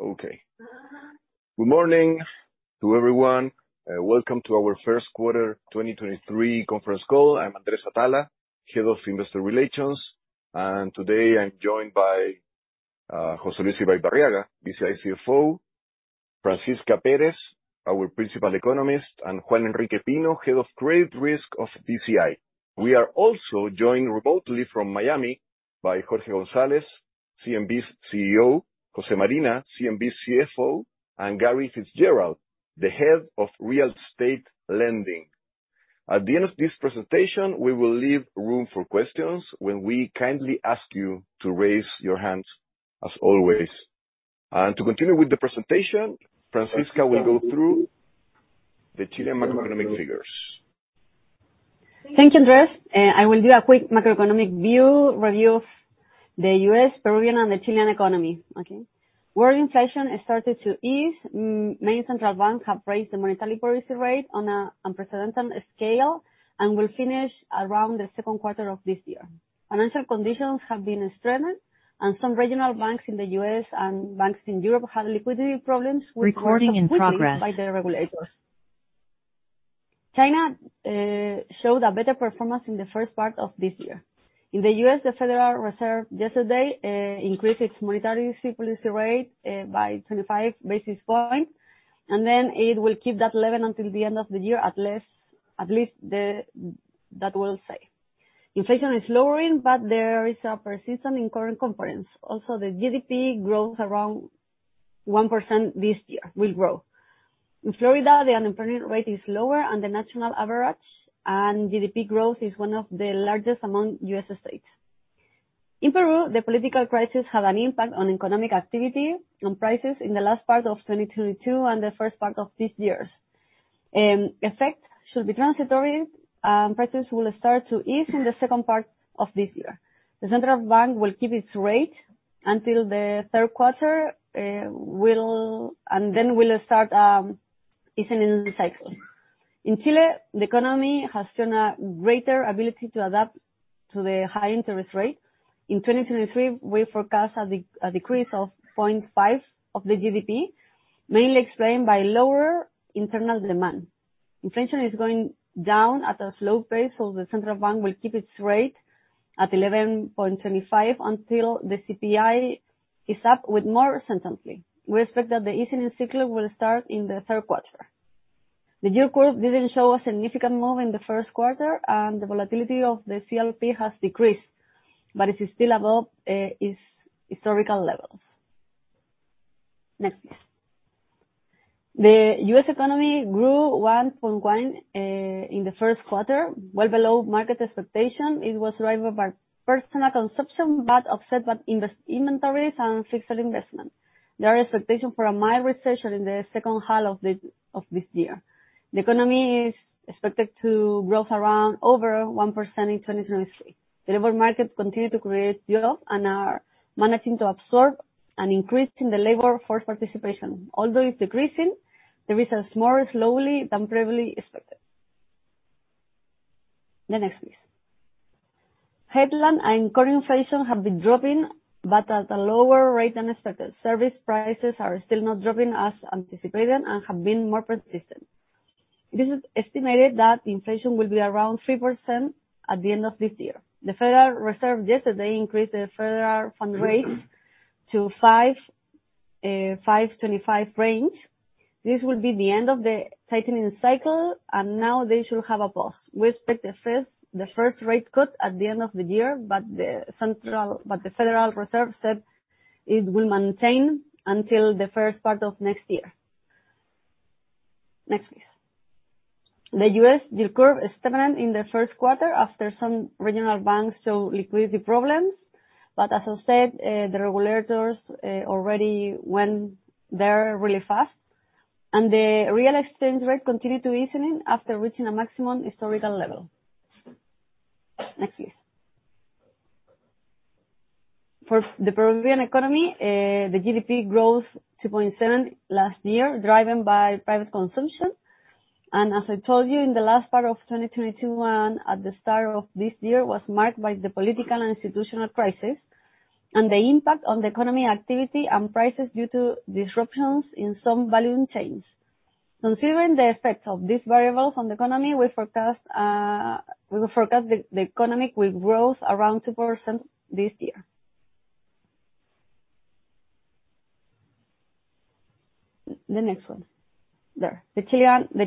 Okay. Good morning to everyone. Welcome to our first quarter 2023 conference call. I'm Andres Atala, Head of Investor Relations. Today, I'm joined by José Luis Ibaibarriaga, BCI CFO, Francisca Pérez, our principal economist, and Juan Enrique Pino, Head of Credit Risk Management of BCI. We are also joined remotely from Miami by Jorge Gonzalez, CNB's CEO, José Marina, CNB's CFO, and Gary Fitzgerald, the Head of Real Estate Lending. At the end of this presentation, we will leave room for questions when we kindly ask you to raise your hands as always. To continue with the presentation, Francisca will go through the Chilean macroeconomic figures. Thank you, Andres. I will do a quick macroeconomic overview of the U.S., Peruvian, and the Chilean economy. Okay. World inflation has started to ease. Major central banks have raised the monetary policy rate on an unprecedented scale and will finish around the second quarter of this year. Financial conditions have been strained, and some regional banks in the U.S. and banks in Europe have liquidity problems with By their regulators. China showed a better performance in the first part of this year. In the U.S., the Federal Reserve yesterday increased its monetary policy rate by 25 basis points, and then it will keep that level until the end of the year, at least that we'll say. Inflation is lowering, but there is a persistence in consumer confidence. Also, the GDP growth around 1% this year will grow. In Florida, the unemployment rate is lower than the national average, and GDP growth is one of the largest among U.S. states. In Peru, the political crisis had an impact on economic activity and prices in the last part of 2022 and the first part of this year. Effect should be transitory. Prices will start to ease in the second part of this year. The central bank will keep its rate until the third quarter. Will start easing in the cycle. In Chile, the economy has shown a greater ability to adapt to the high interest rate. In 2023, we forecast a decrease of 0.5% of the GDP, mainly explained by lower internal demand. Inflation is going down at a slow pace, so the central bank will keep its rate at 11.25% until the CPI is up with more certainty. We expect that the easing cycle will start in the third quarter. The yield curve didn't show a significant move in the first quarter, and the volatility of the CLP has decreased, but it is still above its historical levels. Next, please. The U.S. economy grew 1.1% in the first quarter, well below market expectation. It was driven by personal consumption, but offset by inventories and fixed investment. There are expectations for a mild recession in the second half of this year. The economy is expected to growth around over 1% in 2023. The labor market continue to create jobs and are managing to absorb an increase in the labor force participation. Although it's decreasing, the rise is more slowly than previously expected. The next, please. Headline and core inflation have been dropping, but at a lower rate than expected. Service prices are still not dropping as anticipated and have been more persistent. It is estimated that inflation will be around 3% at the end of this year. The Federal Reserve yesterday increased the federal funds rate to 5.25% range. This will be the end of the tightening cycle, and now they should have a pause. We expect the first rate cut at the end of the year, but the Federal Reserve said it will maintain until the first part of next year. Next, please. The U.S. yield curve is stubborn in the first quarter after some regional banks show liquidity problems. As I said, the regulators already went there really fast. The real exchange rate continued to reverse after reaching a maximum historical level. Next, please. For the Peruvian economy, the GDP growth 2.7% last year, driven by private consumption. As I told you, in the last part of 2022 and at the start of this year was marked by the political and institutional crisis and the impact on the economic activity and prices due to disruptions in some value change. Considering the effects of these variables on the economy, we forecast the economy will grow around 2% this year. The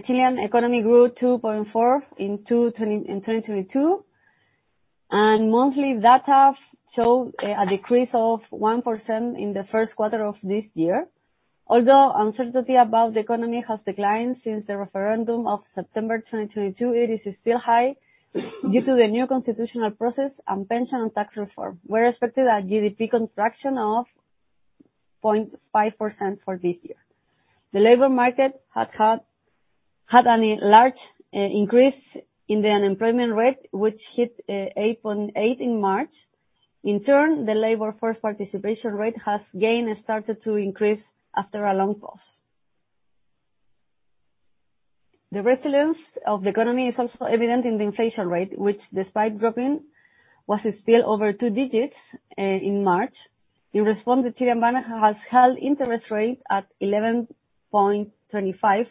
Chilean economy grew 2.4% in 2022. Monthly data show a decrease of 1% in the first quarter of this year. Although uncertainty about the economy has declined since the referendum of September 2022, it is still high due to the new constitutional process and pension and tax reform. We're expecting a GDP contraction of 0.5% for this year. The labor market had a large increase in the unemployment rate, which hit 8.8% in March. In turn, the labor force participation rate has gained and started to increase after a long pause. The resilience of the economy is also evident in the inflation rate, which despite dropping, was still over two digits in March. In response, the Chilean bank has held interest rate at 11.25%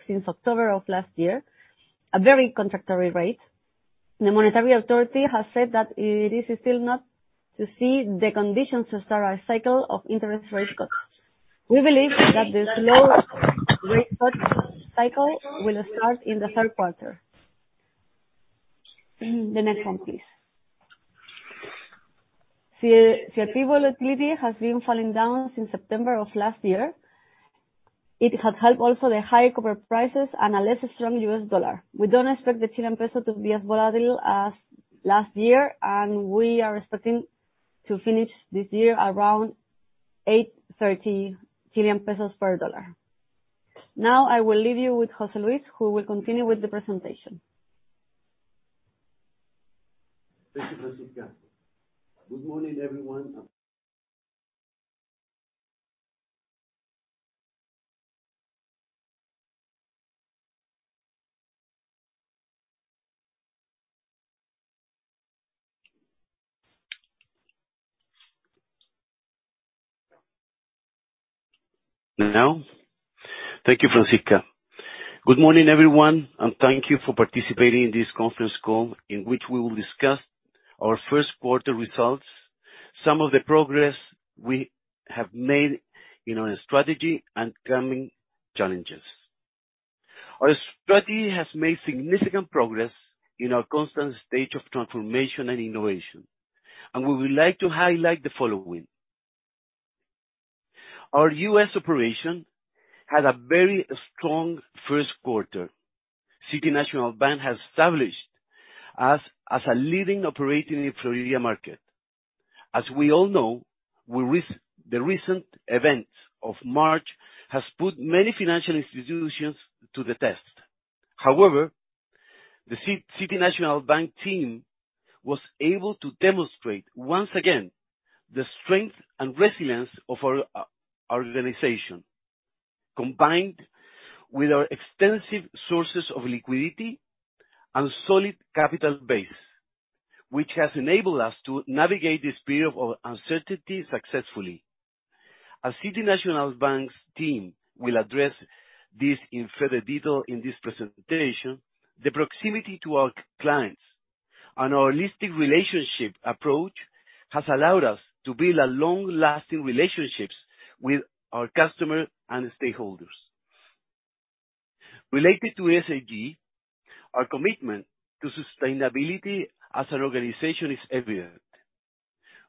since October of last year, a very contractionary rate. The monetary authority has said that it is still not time to see the conditions to start a cycle of interest rate cuts. We believe that the rate cut cycle will start in the third quarter. The next one, please. CLP volatility has been falling since September of last year. It had helped also the high copper prices and a less strong US dollar. We don't expect the Chilean peso to be as volatile as last year, and we are expecting to finish this year around 830 Chilean pesos per dollar. Now, I will leave you with José Luis, who will continue with the presentation. Thank you, Francisca. Good morning, everyone, and thank you for participating in this conference call, in which we will discuss our first quarter results, some of the progress we have made in our strategy, and coming challenges. Our strategy has made significant progress in our constant state of transformation and innovation, and we would like to highlight the following. Our U.S. operation had a very strong first quarter. City National Bank of Florida has established us as a leading operator in the Florida market. As we all know, the recent events of March has put many financial institutions to the test. However, the City National Bank team was able to demonstrate once again the strength and resilience of our organization, combined with our extensive sources of liquidity and solid capital base, which has enabled us to navigate this period of uncertainty successfully. As City National Bank's team will address this in further detail in this presentation, the proximity to our clients and our holistic relationship approach has allowed us to build long-lasting relationships with our customer and stakeholders. Related to ESG, our commitment to sustainability as an organization is evident.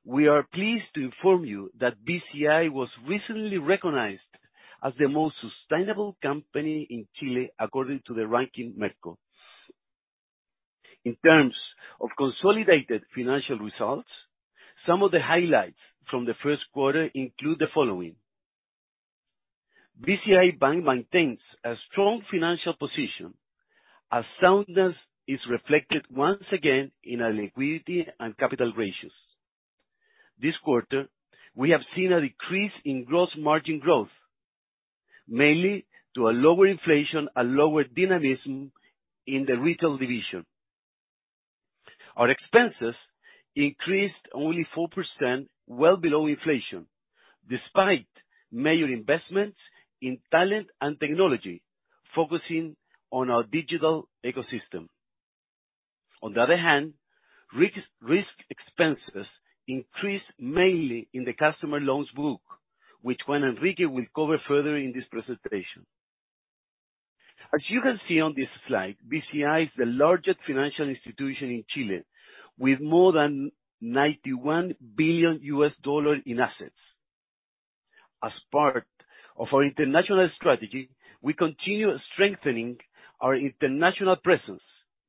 We are pleased to inform you that BCI was recently recognized as the most sustainable company in Chile according to the ranking Merco. In terms of consolidated financial results, some of the highlights from the first quarter include the following. BCI Bank maintains a strong financial position, as soundness is reflected once again in our liquidity and capital ratios. This quarter, we have seen a decrease in gross margin growth, mainly to a lower inflation and lower dynamism in the retail division. Our expenses increased only 4%, well below inflation, despite major investments in talent and technology, focusing on our digital ecosystem. On the other hand, risk expenses increased mainly in the customer loans book, which Juan Enrique Pino will cover further in this presentation. As you can see on this slide, BCI is the largest financial institution in Chile, with more than $91 billion in assets. As part of our international strategy, we continue strengthening our international presence,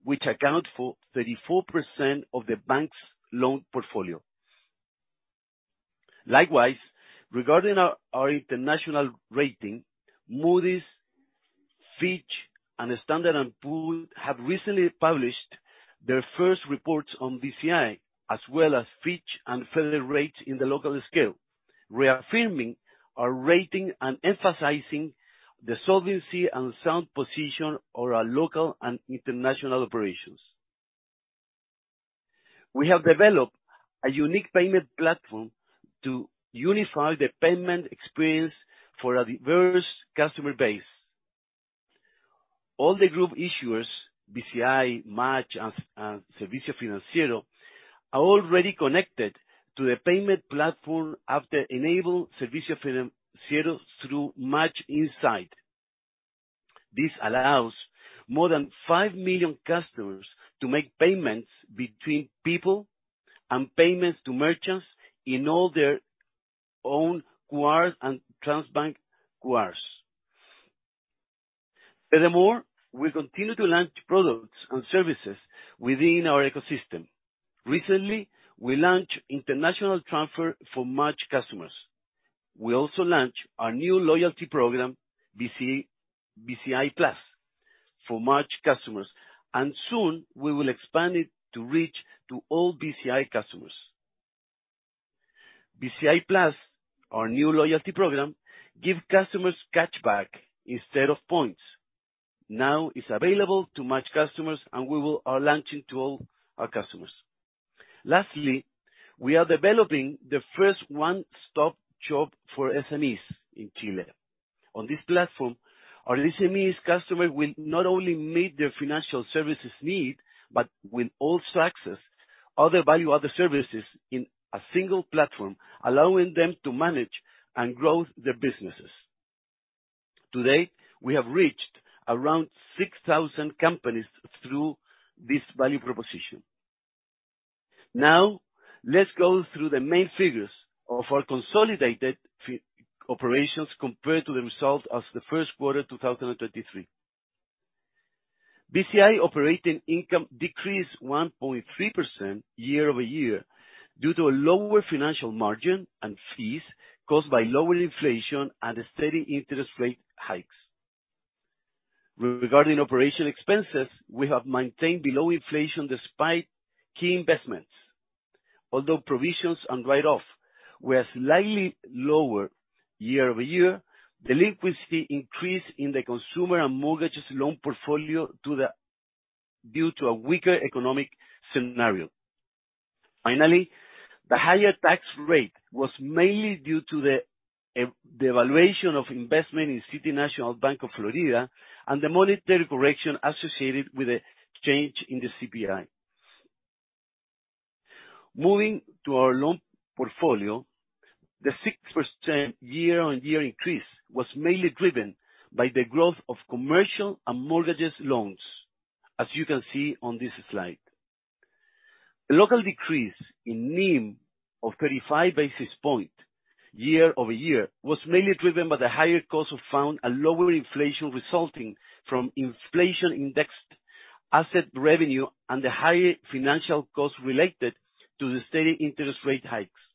which account for 34% of the bank's loan portfolio. Likewise, regarding our international rating, Moody's, Fitch, and Standard & Poor's have recently published their first report on BCI, as well as Fitch and Feller Rate in the local scale, reaffirming our rating and emphasizing the solvency and sound position of our local and international operations. We have developed a unique payment platform to unify the payment experience for a diverse customer base. All the group issuers, BCI, MACH, and Servicios Financieros, are already connected to the payment platform after enabling Servicios Financieros through MACH Inside. This allows more than 5 million customers to make payments between people and payments to merchants in all their own QRs and Transbank QRs. Furthermore, we continue to launch products and services within our ecosystem. Recently, we launched international transfer for MACH customers. We also launched our new loyalty program, Bciplus, for MACH customers, and soon we will expand it to reach to all BCI customers. Bciplus, our new loyalty program, give customers cashback instead of points. Now it's available to MACH customers, and are launching to all our customers. Lastly, we are developing the first one-stop shop for SMEs in Chile. On this platform, our SMEs customer will not only meet their financial services need, but will also access other value-added services in a single platform, allowing them to manage and grow their businesses. Today, we have reached around 6,000 companies through this value proposition. Now, let's go through the main figures of our consolidated financial operations compared to the results of the first quarter 2023. BCI operating income decreased 1.3% year-over-year due to a lower financial margin and fees caused by lower inflation and steady interest rate hikes. Regarding operating expenses, we have maintained below inflation despite key investments. Although provisions and write-offs were slightly lower year-over-year, delinquency increased in the consumer and mortgage loan portfolio due to a weaker economic scenario. Finally, the higher tax rate was mainly due to the evaluation of investment in City National Bank of Florida and the monetary correction associated with the change in the CPI. Moving to our loan portfolio, the 6% year-over-year increase was mainly driven by the growth of commercial and mortgage loans, as you can see on this slide. Local decrease in NIM of 35 basis points year-over-year was mainly driven by the higher cost of funds and lower inflation resulting from inflation-indexed asset revenue and the higher financial cost related to the steady interest rate hikes.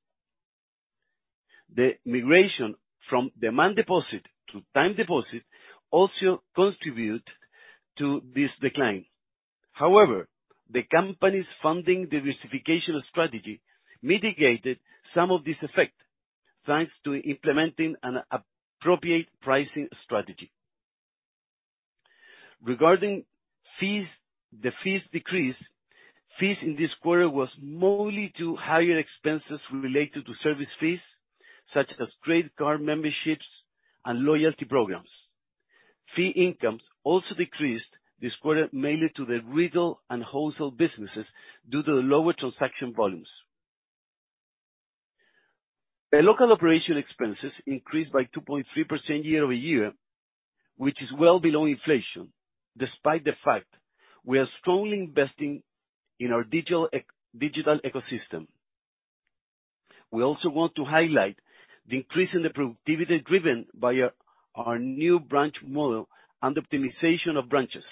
The migration from demand deposit to time deposit also contribute to this decline. However, the company's funding diversification strategy mitigated some of this effect, thanks to implementing an appropriate pricing strategy. Regarding fees, the fees decrease. Fees in this quarter was mainly due to higher expenses related to service fees such as credit card memberships and loyalty programs. Fee incomes also decreased this quarter, mainly due to the retail and wholesale businesses due to the lower transaction volumes. The local operating expenses increased by 2.3% year-over-year, which is well below inflation, despite the fact we are strongly investing in our digital ecosystem. We also want to highlight the increase in the productivity driven by our new branch model and optimization of branches.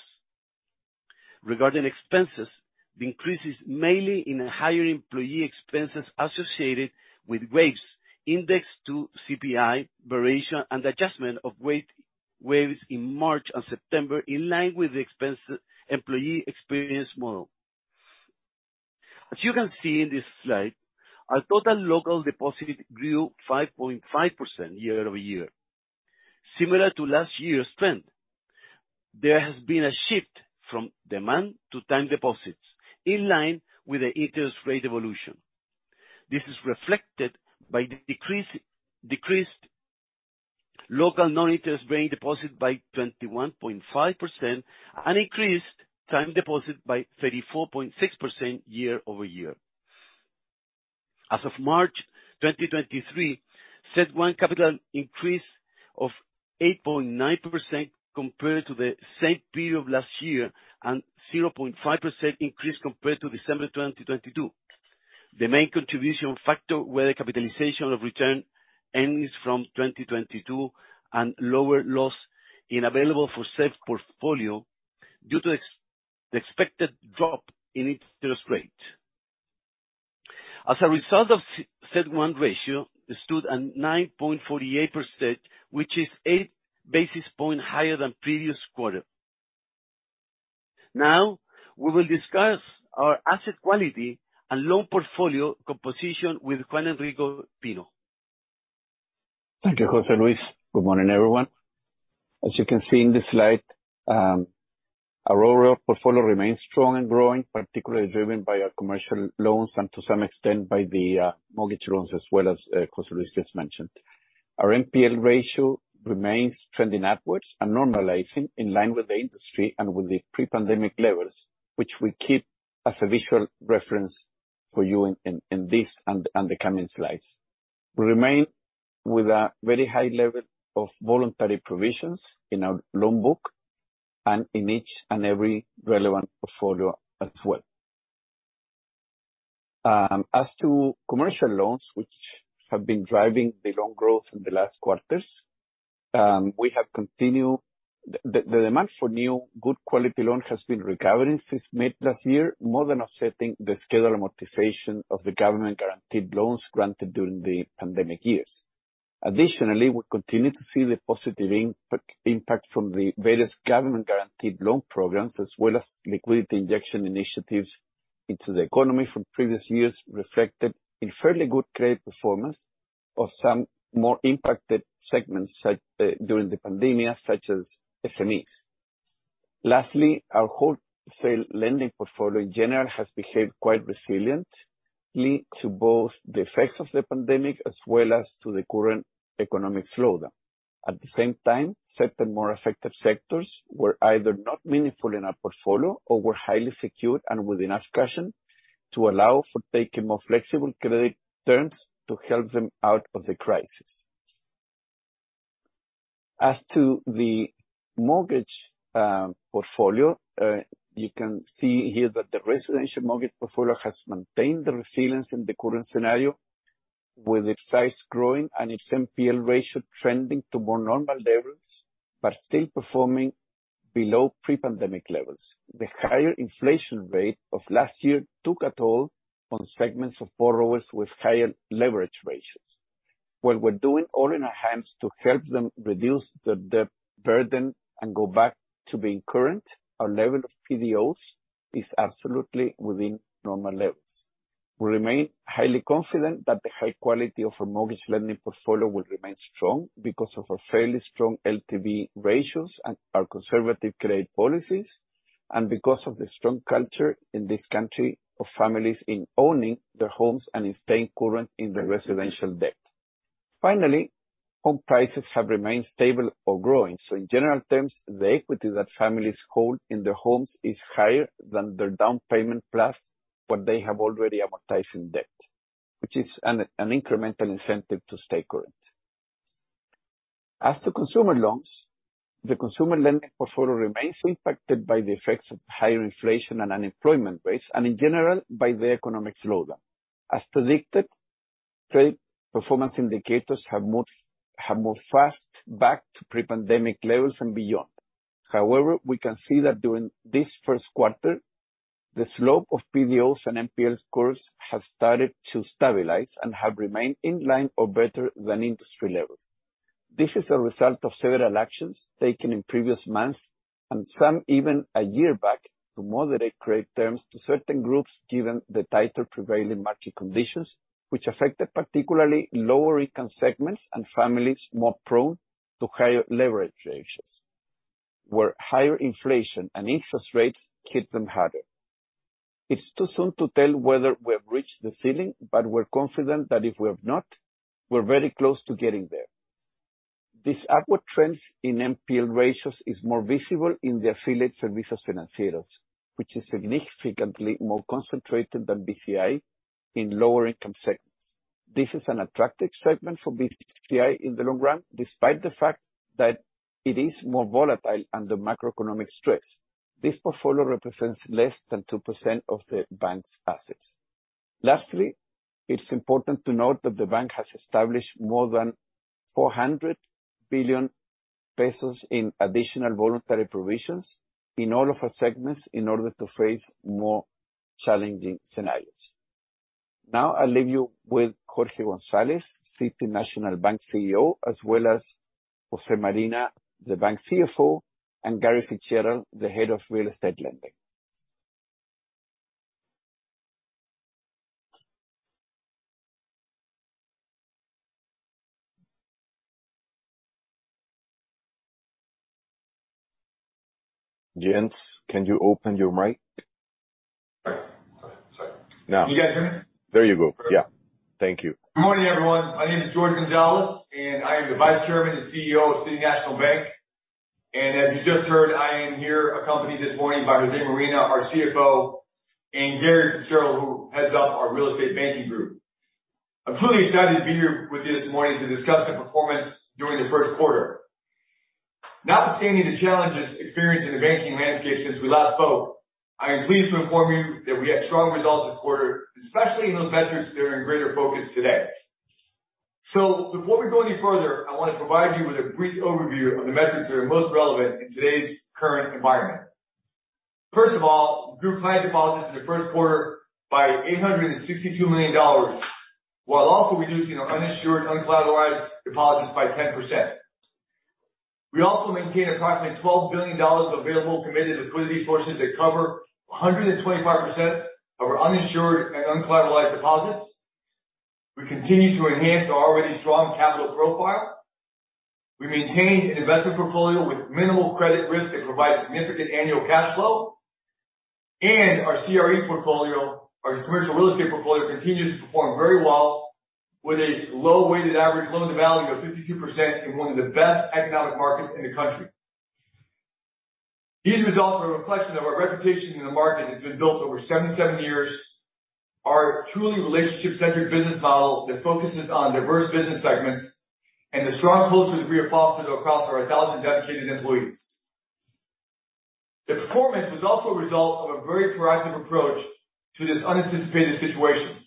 Regarding expenses, the increase is mainly in higher employee expenses associated with wage index to CPI variation and adjustment of wages in March and September, in line with the expense employee experience model. As you can see in this slide, our total local deposits grew 5.5% year-over-year. Similar to last year's trend, there has been a shift from demand to time deposits in line with the interest rate evolution. This is reflected by the decreased local non-interest bearing deposit by 21.5% and increased time deposit by 34.6% year-over-year. As of March 2023, CET1 capital increased to 8.9% compared to the same period of last year and 0.5% increase compared to December 2022. The main contribution factors were the capitalization of retained earnings from 2022 and lower loss in available-for-sale portfolio due to the expected drop in interest rate. As a result, the CET1 ratio stood at 9.48%, which is 8 basis points higher than previous quarter. Now, we will discuss our asset quality and loan portfolio composition with Juan Enrique Pino. Thank you, José Luis. Good morning, everyone. As you can see in this slide, our overall portfolio remains strong and growing, particularly driven by our commercial loans and to some extent by the mortgage loans as well as José Luis just mentioned. Our NPL ratio remains trending upwards and normalizing in line with the industry and with the pre-pandemic levels, which we keep as a visual reference for you in this and the coming slides. We remain with a very high level of voluntary provisions in our loan book and in each and every relevant portfolio as well. As to commercial loans, which have been driving the loan growth in the last quarters, we have continued... The demand for new good quality loan has been recovering since mid last year, more than offsetting the scheduled amortization of the government guaranteed loans granted during the pandemic years. Additionally, we continue to see the positive impact from the various government guaranteed loan programs, as well as liquidity injection initiatives into the economy from previous years, reflected in fairly good credit performance of some more impacted segments during the pandemic, such as SMEs. Lastly, our wholesale lending portfolio in general has behaved quite resiliently to both the effects of the pandemic as well as to the current economic slowdown. At the same time, certain more affected sectors were either not meaningful in our portfolio or were highly secured and with enough cushion to allow for taking more flexible credit terms to help them out of the crisis. As to the mortgage portfolio, you can see here that the residential mortgage portfolio has maintained the resilience in the current scenario, with its size growing and its NPL ratio trending to more normal levels, but still performing below pre-pandemic levels. The higher inflation rate of last year took a toll on segments of borrowers with higher leverage ratios. While we're doing all in our hands to help them reduce the burden and go back to being current, our level of PDLs is absolutely within normal levels. We remain highly confident that the high quality of our mortgage lending portfolio will remain strong because of our fairly strong LTV ratios and our conservative credit policies, and because of the strong culture in this country of families in owning their homes and in staying current in their residential debt. Finally, home prices have remained stable or growing. In general terms, the equity that families hold in their homes is higher than their down payment, plus what they have already amortized in debt, which is an incremental incentive to stay current. As to consumer loans, the consumer lending portfolio remains impacted by the effects of higher inflation and unemployment rates, and in general, by the economic slowdown. As predicted, trade performance indicators have moved fast back to pre-pandemic levels and beyond. However, we can see that during this first quarter, the slope of PDLs and NPLs curves have started to stabilize and have remained in line or better than industry levels. This is a result of several actions taken in previous months and some even a year back, to moderate credit terms to certain groups given the tighter prevailing market conditions, which affected particularly lower income segments and families more prone to higher leverage ratios, where higher inflation and interest rates hit them harder. It's too soon to tell whether we have reached the ceiling, but we're confident that if we have not, we're very close to getting there. These upward trends in NPL ratios is more visible in the affiliate Servicios Financieros, which is significantly more concentrated than BCI in lower income segments. This is an attractive segment for BCI in the long run, despite the fact that it is more volatile under macroeconomic stress. This portfolio represents less than 2% of the bank's assets. Lastly, it's important to note that the bank has established more than 400 billion pesos in additional voluntary provisions in all of our segments in order to face more challenging scenarios. Now, I leave you with Jorge Gonzalez, City National Bank CEO, as well as Jose Marina, the bank's CFO, and Gary Fitzgerald, the Head of Real Estate Lending. Jorge, can you open your mic? Sorry. Now. Can you guys hear me? There you go. Yeah. Thank you. Good morning, everyone. My name is Jorge González, and I am the Vice Chairman and CEO of City National Bank. As you just heard, I am here accompanied this morning by José Marina, our CFO, and Gary Fitzgerald, who heads up our real estate banking group. I'm truly excited to be here with you this morning to discuss the performance during the first quarter. Notwithstanding the challenges experienced in the banking landscape since we last spoke, I am pleased to inform you that we had strong results this quarter, especially in those metrics that are in greater focus today. Before we go any further, I wanna provide you with a brief overview of the metrics that are most relevant in today's current environment. First of all, we grew client deposits in the first quarter by $862 million, while also reducing our uninsured, uncollateralized deposits by 10%. We also maintained approximately $12 billion of available committed liquidity sources that cover 125% of our uninsured and uncollateralized deposits. We continue to enhance our already strong capital profile. We maintained an investment portfolio with minimal credit risk that provides significant annual cash flow. Our CRE portfolio, our commercial real estate portfolio, continues to perform very well with a low weighted average loan-to-value of 52% in one of the best economic markets in the country. These results are a reflection of our reputation in the market that's been built over 77 years, our truly relationship-centric business model that focuses on diverse business segments, and the strong culture that we have fostered across our 1,000 dedicated employees. The performance was also a result of a very proactive approach to this unanticipated situation.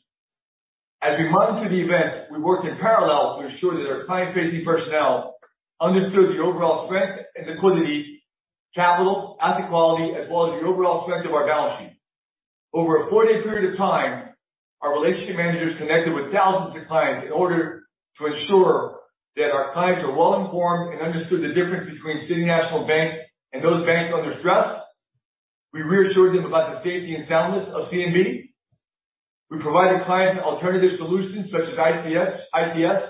As we monitor the events, we work in parallel to ensure that our client-facing personnel understood the overall strength and liquidity, capital, asset quality, as well as the overall strength of our balance sheet. Over a four-day period of time, our relationship managers connected with thousands of clients in order to ensure that our clients are well-informed and understood the difference between City National Bank and those banks under stress. We reassured them about the safety and soundness of CNB. We provided clients alternative solutions such as ICS,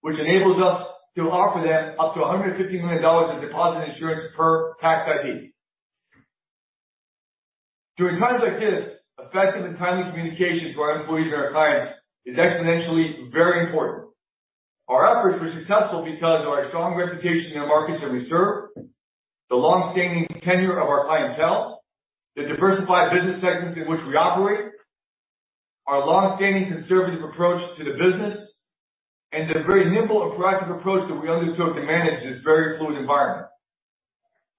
which enables us to offer them up to $150 million in deposit insurance per tax ID. During times like this, effective and timely communication to our employees and our clients is exponentially very important. Our efforts were successful because of our strong reputation in the markets that we serve, the long-standing tenure of our clientele, the diversified business segments in which we operate, our long-standing conservative approach to the business, and the very nimble and proactive approach that we undertook to manage this very fluid environment.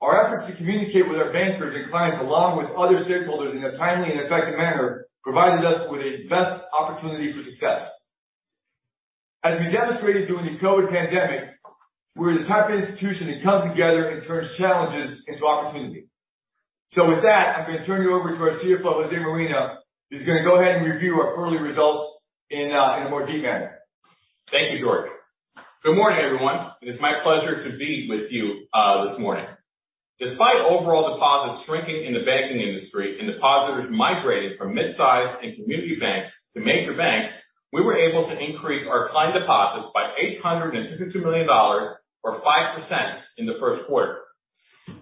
Our efforts to communicate with our bankers and clients along with other stakeholders in a timely and effective manner, provided us with the best opportunity for success. As we demonstrated during the COVID pandemic, we're the type of institution that comes together and turns challenges into opportunity. With that, I'm going to turn you over to our CFO, José Marina, who's going to go ahead and review our early results in a more deep manner. Thank you, Jorge. Good morning, everyone. It is my pleasure to be with you this morning. Despite overall deposits shrinking in the banking industry and depositors migrating from mid-sized and community banks to major banks, we were able to increase our client deposits by $862 million or 5% in the first quarter.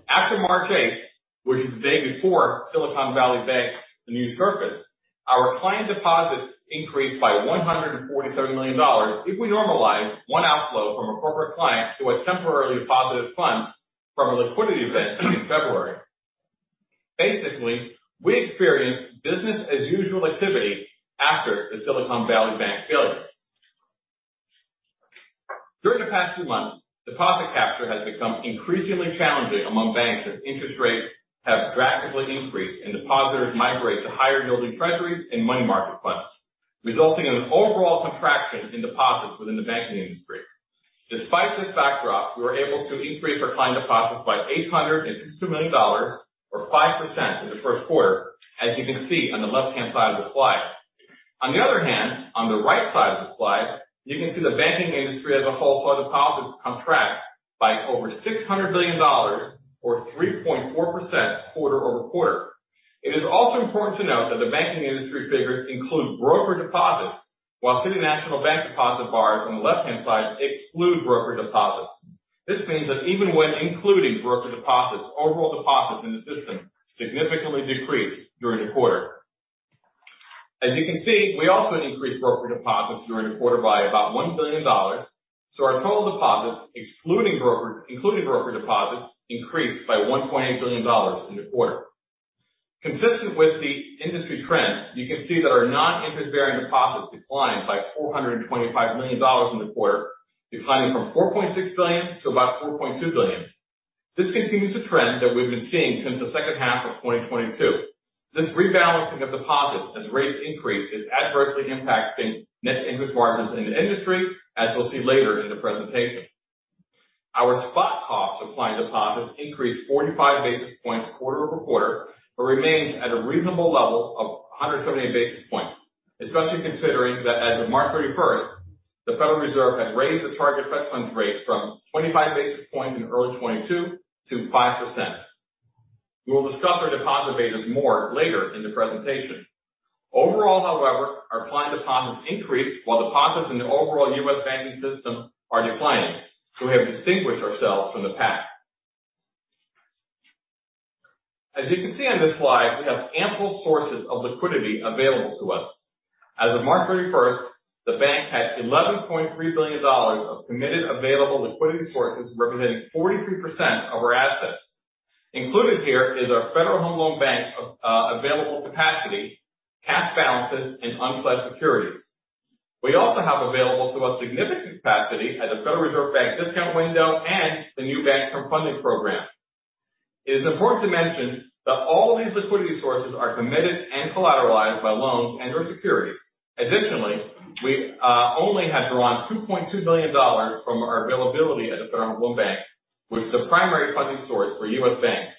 After March eighth, which is the day before Silicon Valley Bank news surfaced, our client deposits increased by $147 million if we normalize one outflow from a corporate client who had temporarily deposited funds from a liquidity event in February. Basically, we experienced business as usual activity after the Silicon Valley Bank failure. During the past two months, deposit capture has become increasingly challenging among banks as interest rates have drastically increased and depositors migrate to higher yielding treasuries and money market funds, resulting in an overall contraction in deposits within the banking industry. Despite this backdrop, we were able to increase our client deposits by $862 million or 5% in the first quarter, as you can see on the left-hand side of the slide. On the other hand, on the right side of the slide, you can see the banking industry as a whole saw deposits contract by over $600 billion or 3.4% quarter-over-quarter. It is also important to note that the banking industry figures include broker deposits, while City National Bank deposit bars on the left-hand side exclude broker deposits. This means that even when including broker deposits, overall deposits in the system significantly decreased during the quarter. As you can see, we also increased broker deposits during the quarter by about $1 billion. Our total deposits, including broker deposits, increased by $1.8 billion in the quarter. Consistent with the industry trends, you can see that our non-interest bearing deposits declined by $425 million in the quarter, declining from $4.6 billion to about $4.2 billion. This continues a trend that we've been seeing since the second half of 2022. This rebalancing of deposits as rates increase is adversely impacting net interest margins in the industry as we'll see later in the presentation. Our spot cost of client deposits increased 45 basis points quarter-over-quarter, but remains at a reasonable level of 170 basis points, especially considering that as of March 31st, the Federal Reserve had raised the target Fed funds rate from 25 basis points in early 2022 to 5%. We will discuss our deposit betas more later in the presentation. Overall, however, our client deposits increased while deposits in the overall U.S. banking system are declining, so we have distinguished ourselves from the past. As you can see on this slide, we have ample sources of liquidity available to us. As of March 31st, the bank had $11.3 billion of committed available liquidity sources, representing 43% of our assets. Included here is our Federal Home Loan Bank of available capacity, cash balances and unpledged securities. We also have available to us significant capacity at the Federal Reserve Bank discount window and the new Bank Term Funding Program. It is important to mention that all of these liquidity sources are committed and collateralized by loans and or securities. Additionally, we only have drawn $2.2 billion from our availability at the Federal Home Loan Bank, which is the primary funding source for U.S. banks.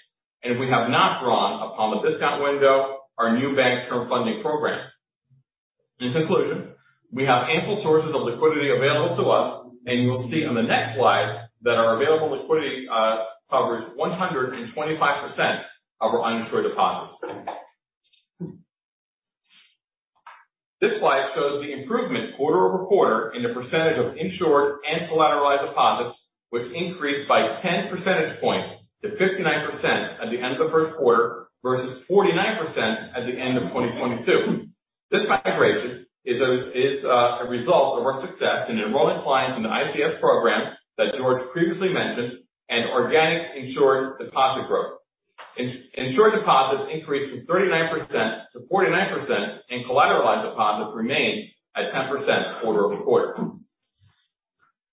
We have not drawn upon the discount window our new Bank Term Funding Program. In conclusion, we have ample sources of liquidity available to us, and you will see on the next slide that our available liquidity covers 125% of our uninsured deposits. This slide shows the improvement quarter-over-quarter in the percentage of insured and collateralized deposits, which increased by 10 percentage points to 59% at the end of the first quarter, versus 49% at the end of 2022. This migration is a result of our success in enrolling clients in the ICS program that Jorge previously mentioned and organic insured deposit growth. Insured deposits increased from 39%-49%, and collateralized deposits remained at 10% quarter-over-quarter.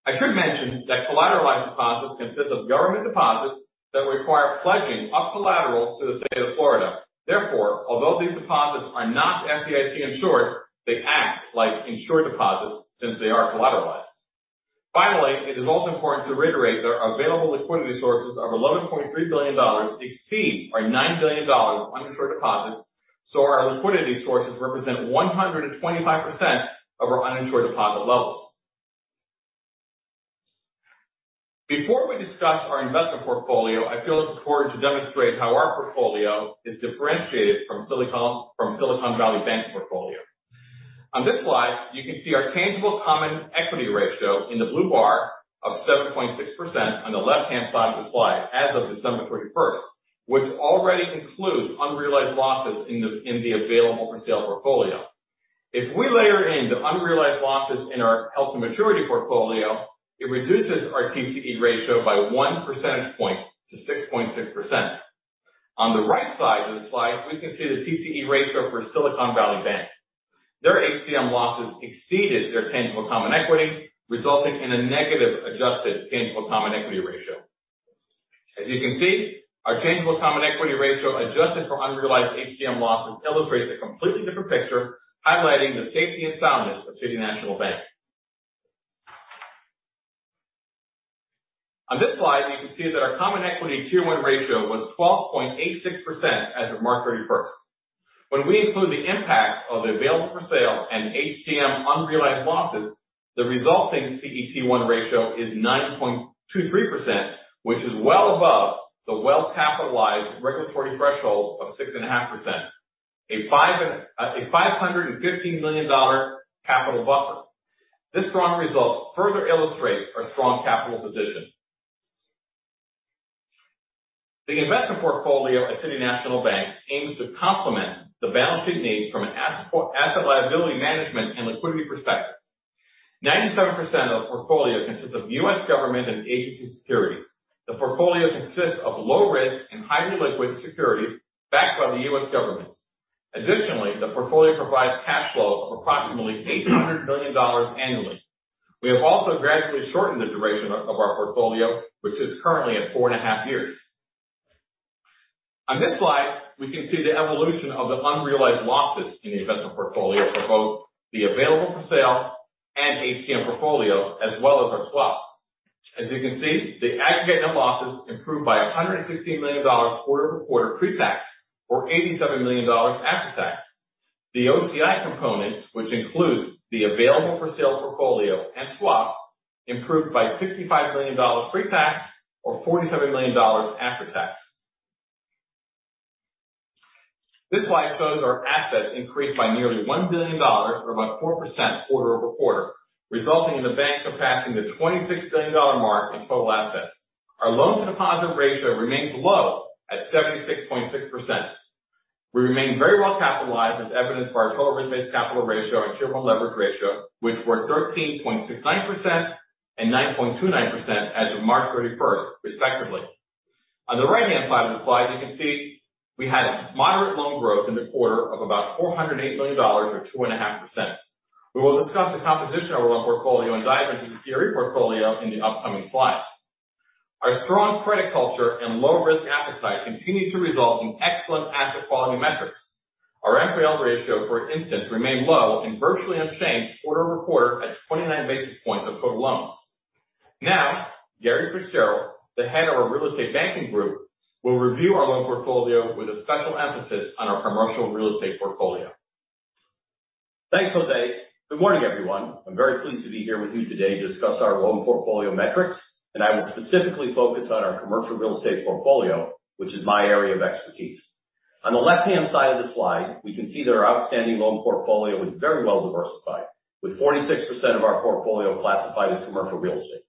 I should mention that collateralized deposits consist of government deposits that require pledging of collateral to the State of Florida. Therefore, although these deposits are not FDIC insured, they act like insured deposits since they are collateralized. It is also important to reiterate that our available liquidity sources of $11.3 billion exceeds our $9 billion uninsured deposits. Our liquidity sources represent 125% of our uninsured deposit levels. Before we discuss our investment portfolio, I feel it's important to demonstrate how our portfolio is differentiated from Silicon Valley Bank, from Silicon Valley Bank's portfolio. On this slide, you can see our tangible common equity ratio in the blue bar of 7.6% on the left-hand side of the slide as of December 31st, which already includes unrealized losses in the available for sale portfolio. If we layer in the unrealized losses in our held to maturity portfolio, it reduces our TCE ratio by one percentage point to 6.6%. On the right side of the slide, we can see the TCE ratio for Silicon Valley Bank. Their HTM losses exceeded their tangible common equity, resulting in a negative adjusted tangible common equity ratio. As you can see, our tangible common equity ratio adjusted for unrealized HTM losses illustrates a completely different picture, highlighting the safety and soundness of City National Bank. On this slide, you can see that our common equity tier one ratio was 12.86% as of March thirty-first. When we include the impact of available for sale and HTM unrealized losses, the resulting CET1 ratio is 9.23%, which is well above the well-capitalized regulatory threshold of 6.5%. A $515 million capital buffer. This strong result further illustrates our strong capital position. The investment portfolio at City National Bank aims to complement the balance sheet needs from an asset liability management and liquidity perspective. 97% of the portfolio consists of U.S. government and agency securities. The portfolio consists of low risk and highly liquid securities backed by the U.S. government. Additionally, the portfolio provides cash flow of approximately $800 million annually. We have also gradually shortened the duration of our portfolio, which is currently at 4.5 years. On this slide, we can see the evolution of the unrealized losses in the investment portfolio for both the available for sale and HTM portfolio as well as our swaps. As you can see, the aggregate net losses improved by $116 million quarter-over-quarter pre-tax or $87 million after tax. The OCI components, which includes the available for sale portfolio and swaps, improved by $65 million pre-tax or $47 million after tax. This slide shows our assets increased by nearly $1 billion or about 4% quarter-over-quarter, resulting in the bank surpassing the $26 billion mark in total assets. Our loan-to-deposit ratio remains low at 76.6%. We remain very well capitalized as evidenced by our total risk-based capital ratio and Tier 1 leverage ratio, which were 13.69% and 9.29% as of March 31st, respectively. On the right-hand side of the slide, you can see we had moderate loan growth in the quarter of about $408 million or 2.5%. We will discuss the composition of our loan portfolio and dive into the CRE portfolio in the upcoming slides. Our strong credit culture and low risk appetite continue to result in excellent asset quality metrics. Our NPL ratio, for instance, remained low and virtually unchanged quarter-over-quarter at 29 basis points of total loans. Now, Gary Fitzgerald, the head of our real estate banking group, will review our loan portfolio with a special emphasis on our commercial real estate portfolio. Thanks, José. Good morning, everyone. I'm very pleased to be here with you today to discuss our loan portfolio metrics, and I will specifically focus on our commercial real estate portfolio, which is my area of expertise. On the left-hand side of the slide, we can see that our outstanding loan portfolio is very well diversified, with 46% of our portfolio classified as commercial real estate.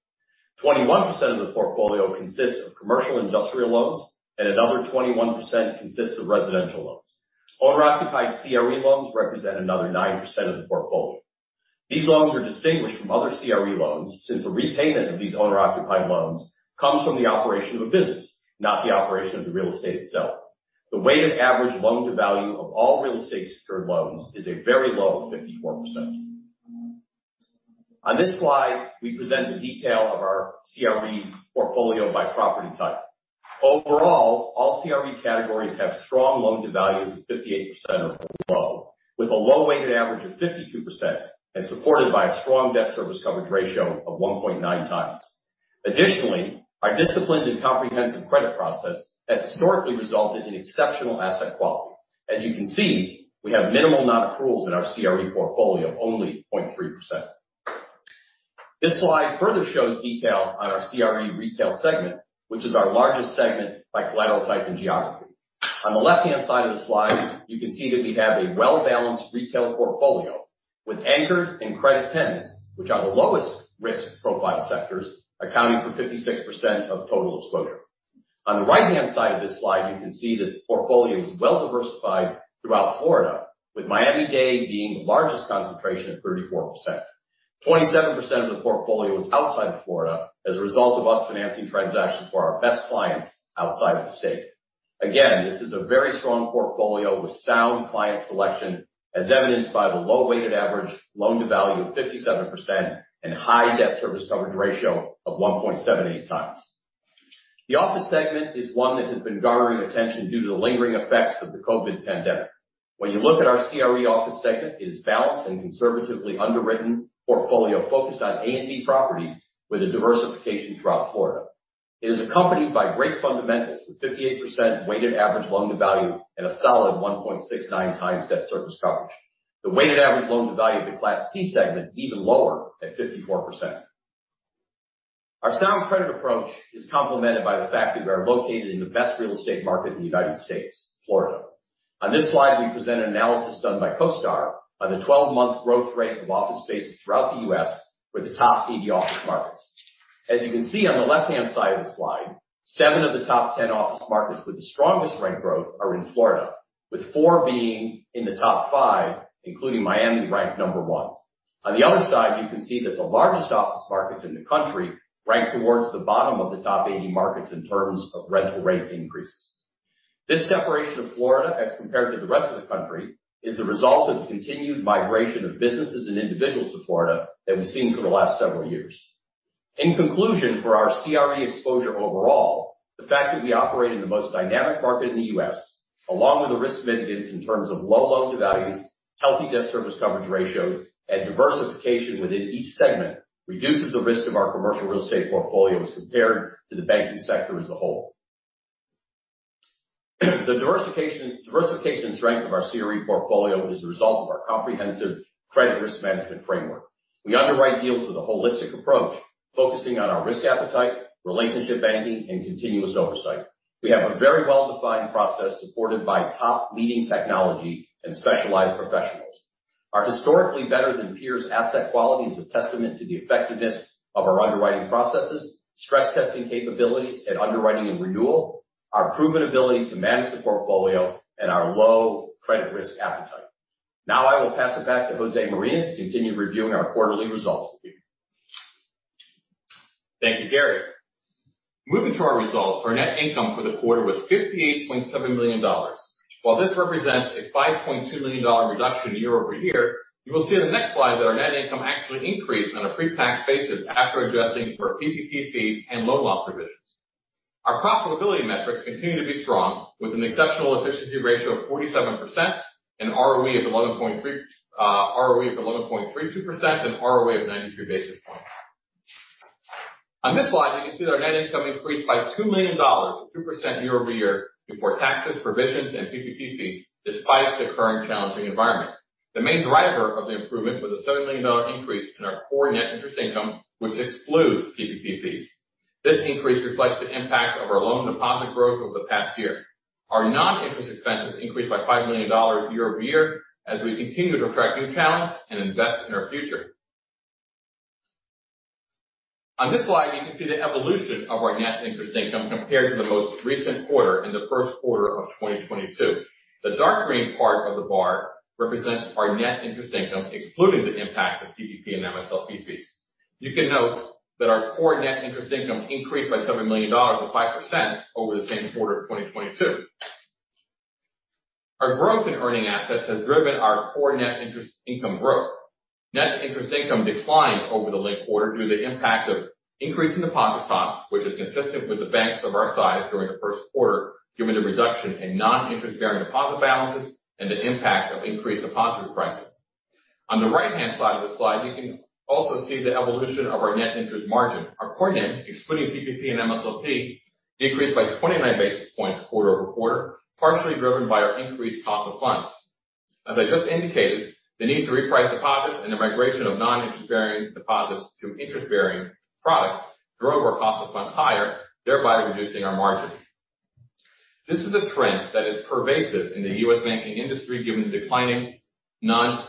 21% of the portfolio consists of commercial industrial loans and another 21% consists of residential loans. Owner-occupied CRE loans represent another 9% of the portfolio. These loans are distinguished from other CRE loans since the repayment of these owner-occupied loans comes from the operation of a business, not the operation of the real estate itself. The weighted average loan-to-value of all real estate secured loans is a very low 54%. On this slide, we present the detail of our CRE portfolio by property type. Overall, all CRE categories have strong loan-to-values of 58% or below, with a low weighted average of 52% and supported by a strong debt service coverage ratio of 1.9x. Additionally, our disciplined and comprehensive credit process has historically resulted in exceptional asset quality. As you can see, we have minimal non-accruals in our CRE portfolio, only 0.3%. This slide further shows detail on our CRE retail segment, which is our largest segment by collateral type and geography. On the left-hand side of the slide, you can see that we have a well-balanced retail portfolio with anchored and credit tenants, which are the lowest risk profile sectors, accounting for 56% of total exposure. On the right-hand side of this slide, you can see that the portfolio is well diversified throughout Florida, with Miami-Dade being the largest concentration at 34%. 27% of the portfolio is outside of Florida as a result of us financing transactions for our best clients outside of the state. Again, this is a very strong portfolio with sound client selection as evidenced by the low weighted average loan-to-value of 57% and high debt service coverage ratio of 1.78x. The office segment is one that has been garnering attention due to the lingering effects of the COVID pandemic. When you look at our CRE office segment, it is balanced and conservatively underwritten portfolio focused on A and B properties with a diversification throughout Florida. It is accompanied by great fundamentals with 58% weighted average loan to value and a solid 1.69x debt service coverage. The weighted average loan to value of the class C segment is even lower at 54%. Our sound credit approach is complemented by the fact that we are located in the best real estate market in the United States, Florida. On this slide, we present an analysis done by CoStar on the 12-month growth rate of office spaces throughout the U.S. for the top 80 office markets. As you can see on the left-hand side of the slide, seven of the top 10 office markets with the strongest rent growth are in Florida, with four being in the top 5, including Miami ranked number one. On the other side, you can see that the largest office markets in the country rank towards the bottom of the top 80 markets in terms of rental rate increases. This separation of Florida as compared to the rest of the country is the result of the continued migration of businesses and individuals to Florida that we've seen for the last several years. In conclusion, for our CRE exposure overall, the fact that we operate in the most dynamic market in the U.S., along with the risk mitigants in terms of low loan-to-value, healthy debt service coverage ratios, and diversification within each segment, reduces the risk of our commercial real estate portfolios compared to the banking sector as a whole. The diversification strength of our CRE portfolio is the result of our comprehensive credit risk management framework. We underwrite deals with a holistic approach, focusing on our risk appetite, relationship banking, and continuous oversight. We have a very well-defined process supported by top leading technology and specialized professionals. Our historically better than peers asset quality is a testament to the effectiveness of our underwriting processes, stress testing capabilities, and underwriting and renewal, our proven ability to manage the portfolio, and our low credit risk appetite. Now I will pass it back to José Marina to continue reviewing our quarterly results with you. Thank you, Gary. Moving to our results, our net income for the quarter was $58.7 million. While this represents a $5.2 million reduction year-over-year, you will see on the next slide that our net income actually increased on a pre-tax basis after adjusting for PPP fees and loan loss provisions. Our profitability metrics continue to be strong with an exceptional efficiency ratio of 47% and ROE of 11.32% and ROA of 93 basis points. On this slide, we can see that our net income increased by $2 million or 2% year-over-year before taxes, provisions, and PPP fees despite the current challenging environment. The main driver of the improvement was a $7 million increase in our core net interest income, which excludes PPP fees. This increase reflects the impact of our loan deposit growth over the past year. Our non-interest expenses increased by $5 million year over year as we continue to attract new talents and invest in our future. On this slide, you can see the evolution of our net interest income compared to the most recent quarter in the first quarter of 2022. The dark green part of the bar represents our net interest income, excluding the impact of PPP and MSLP fees. You can note that our core net interest income increased by $7 million or 5% over the same quarter of 2022. Our growth in earning assets has driven our core net interest income growth. Net interest income declined over the linked quarter due to the impact of increasing deposit costs, which is consistent with the banks of our size during the first quarter, given the reduction in non-interest-bearing deposit balances and the impact of increased deposit pricing. On the right-hand side of the slide, you can also see the evolution of our net interest margin. Our core NIM, excluding PPP and MSLP, decreased by 29 basis points quarter-over-quarter, partially driven by our increased cost of funds. As I just indicated, the need to reprice deposits and the migration of non-interest-bearing deposits to interest-bearing products drove our cost of funds higher, thereby reducing our margins. This is a trend that is pervasive in the US banking industry, given the declining non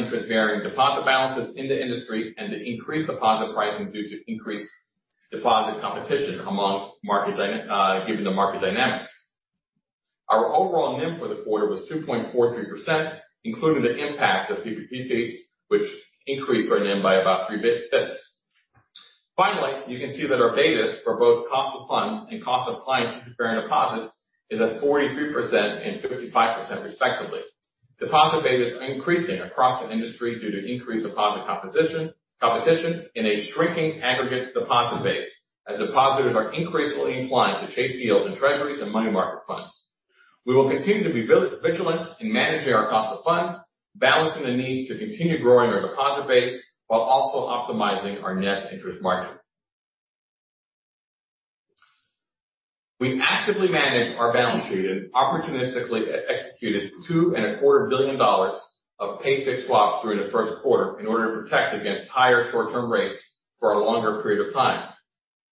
interest-bearing deposit balances in the industry and the increased deposit pricing due to increased deposit competition given the market dynamics. Our overall NIM for the quarter was 2.43%, including the impact of PPP fees, which increased our NIM by about three basis points. Finally, you can see that our betas for both cost of funds and cost of client interest-bearing deposits is at 43% and 55% respectively. Deposit betas are increasing across the industry due to increased deposit competition in a shrinking aggregate deposit base, as depositors are increasingly inclined to chase yields in Treasuries and money market funds. We will continue to be vigilant in managing our cost of funds, balancing the need to continue growing our deposit base while also optimizing our net interest margin. We actively manage our balance sheet and opportunistically executed $2 and a quarter billion of pay-fixed swaps during the first quarter in order to protect against higher short-term rates for a longer period of time.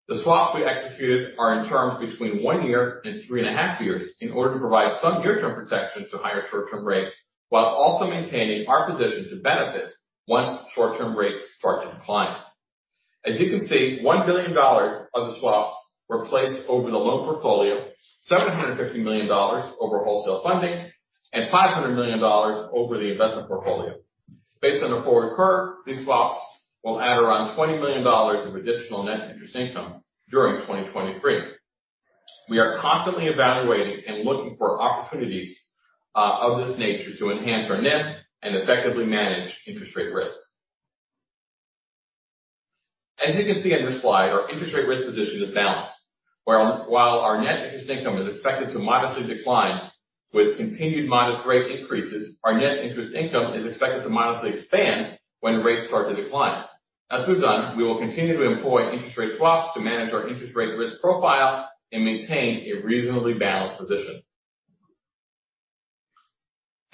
The swaps we executed are in terms between 1 year and three and a half years in order to provide some near-term protection to higher short-term rates while also maintaining our position to benefit once short-term rates start to decline. As you can see, $1 billion of the swaps were placed over the loan portfolio, $750 million over wholesale funding, and $500 million over the investment portfolio. Based on the forward curve, these swaps will add around $20 million of additional net interest income during 2023. We are constantly evaluating and looking for opportunities of this nature to enhance our NIM and effectively manage interest rate risk. As you can see on this slide, our interest rate risk position is balanced. Where, while our net interest income is expected to modestly decline with continued modest rate increases, our net interest income is expected to modestly expand when rates start to decline. As we've done, we will continue to employ interest rate swaps to manage our interest rate risk profile and maintain a reasonably balanced position.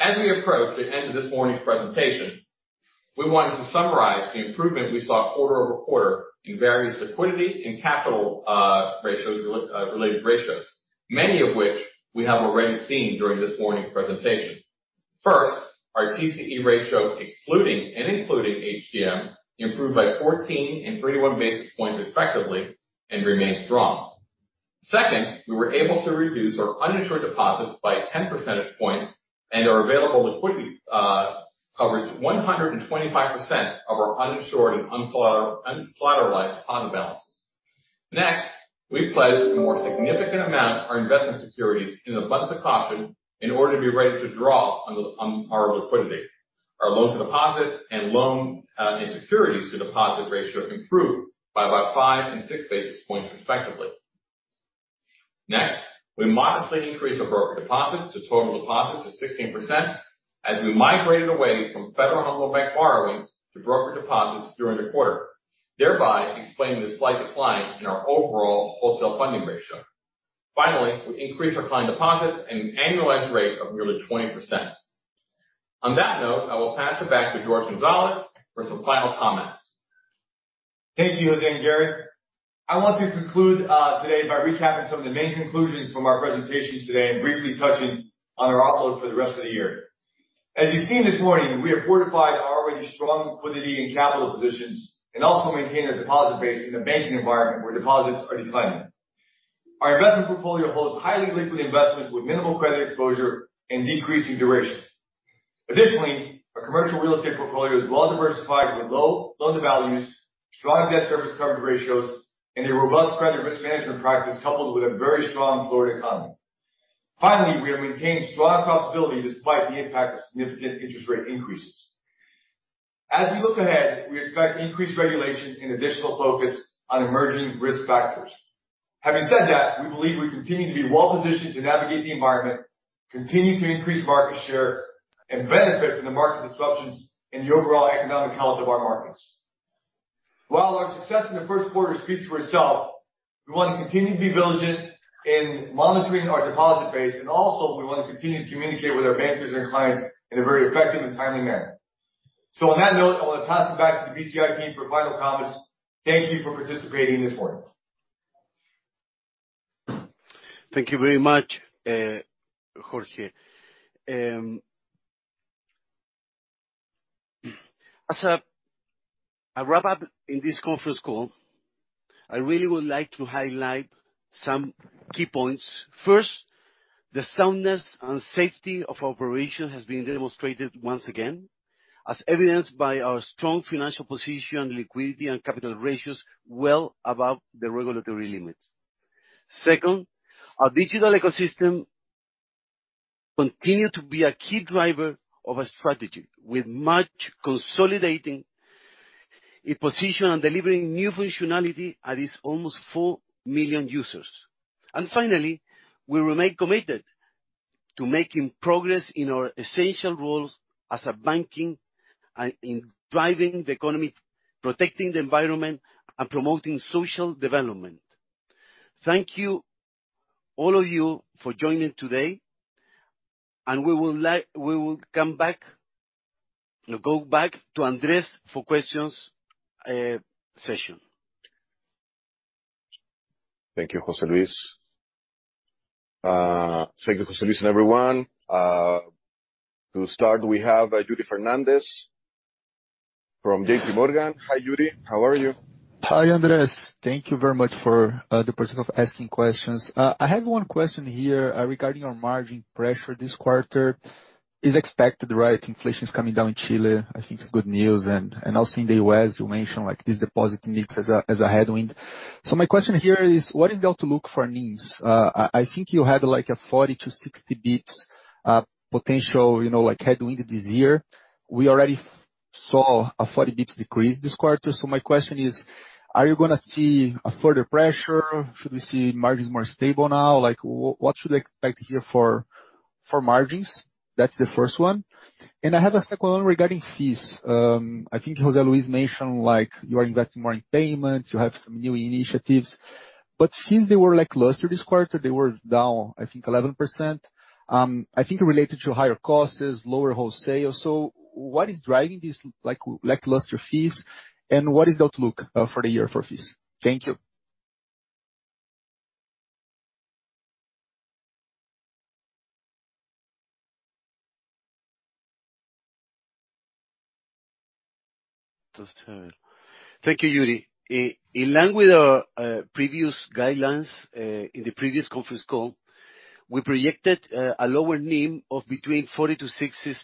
As we approach the end of this morning's presentation, we wanted to summarize the improvement we saw quarter-over-quarter in various liquidity and capital-related ratios, many of which we have already seen during this morning's presentation. First, our TCE ratio, excluding and including HTM, improved by 14 and 31 basis points respectively, and remains strong. Second, we were able to reduce our uninsured deposits by 10 percentage points, and our available liquidity covers 125% of our uninsured and uncollateralized deposit balances. Next, we pledged a more significant amount of our investment securities out of an abundance of caution in order to be ready to draw on our liquidity. Our loan-to-deposit and loan-in-securities-to-deposit ratio improved by about 5 and 6 basis points respectively. Next, we modestly increased our broker deposits to total deposits of 16% as we migrated away from Federal Home Loan Bank borrowings to broker deposits during the quarter, thereby explaining the slight decline in our overall wholesale funding ratio. Finally, we increased our client deposits at an annualized rate of nearly 20%. On that note, I will pass it back to Jorge Gonzalez for some final comments. Thank you, José and Gary. I want to conclude today by recapping some of the main conclusions from our presentation today and briefly touching on our outlook for the rest of the year. As you've seen this morning, we have fortified our already strong liquidity and capital positions and also maintained our deposit base in a banking environment where deposits are declining. Our investment portfolio holds highly liquid investments with minimal credit exposure and decreasing duration. Additionally, our commercial real estate portfolio is well diversified with low loan-to-values, strong debt service coverage ratios, and a robust credit risk management practice, coupled with a very strong Florida economy. Finally, we have maintained strong profitability despite the impact of significant interest rate increases. As we look ahead, we expect increased regulation and additional focus on emerging risk factors. Having said that, we believe we continue to be well-positioned to navigate the environment, continue to increase market share, and benefit from the market disruptions and the overall economic health of our markets. While our success in the first quarter speaks for itself, we want to continue to be diligent in monitoring our deposit base, and also we want to continue to communicate with our bankers and clients in a very effective and timely manner. On that note, I want to pass it back to the BCI team for final comments. Thank you for participating this morning. Thank you very much, Jorge. As I wrap up in this conference call, I really would like to highlight some key points. First, the soundness and safety of our operation has been demonstrated once again, as evidenced by our strong financial position, liquidity and capital ratios well above the regulatory limits. Second, our digital ecosystem continue to be a key driver of our strategy, with MACH consolidating its position in delivering new functionality to its almost 4 million users. Finally, we remain committed to making progress in our essential roles as a bank and in driving the economy, protecting the environment, and promoting social development. Thank you, all of you, for joining today, and go back to Andres for questions session. Thank you, José Luis. Thank you, José Luis and everyone. To start, we have Yuri Fernandes from J.P. Morgan. Hi, Yuri. How are you? Hi, Andrés. Thank you very much for the opportunity of asking questions. I have one question here regarding our margin pressure this quarter. Is expected, right? Inflation is coming down in Chile, I think it's good news. Also in the U.S., you mentioned like this deposit mix as a headwind. My question here is what is the outlook for NIMs? I think you had like a 40-60 basis points potential, you know like headwind this year. We already saw a 40 basis points decrease this quarter. My question is, are you gonna see further pressure? Should we see margins more stable now? Like, what should I expect here for margins? That's the first one. I have a second one regarding fees. I think José Luis mentioned like you are investing more in payments. You have some new initiatives. Fees, they were lackluster this quarter. They were down, I think, 11%. I think related to higher costs, lower wholesale. What is driving these like lackluster fees, and what is the outlook for the year for fees? Thank you. Thank you, Yuri. In line with our previous guidelines in the previous conference call, we projected a lower NIM of between 40-60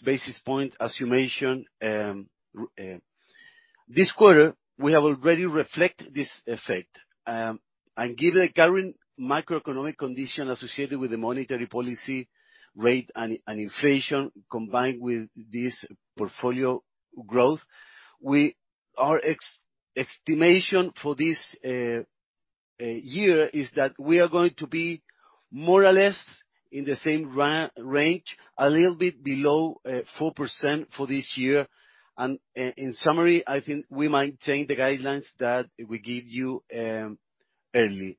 basis point, as you mentioned. This quarter, we have already reflect this effect. Given the current macroeconomic condition associated with the monetary policy rate and inflation combined with this portfolio growth, our estimation for this year is that we are going to be more or less in the same range, a little bit below 4% for this year. In summary, I think we maintain the guidelines that we gave you early.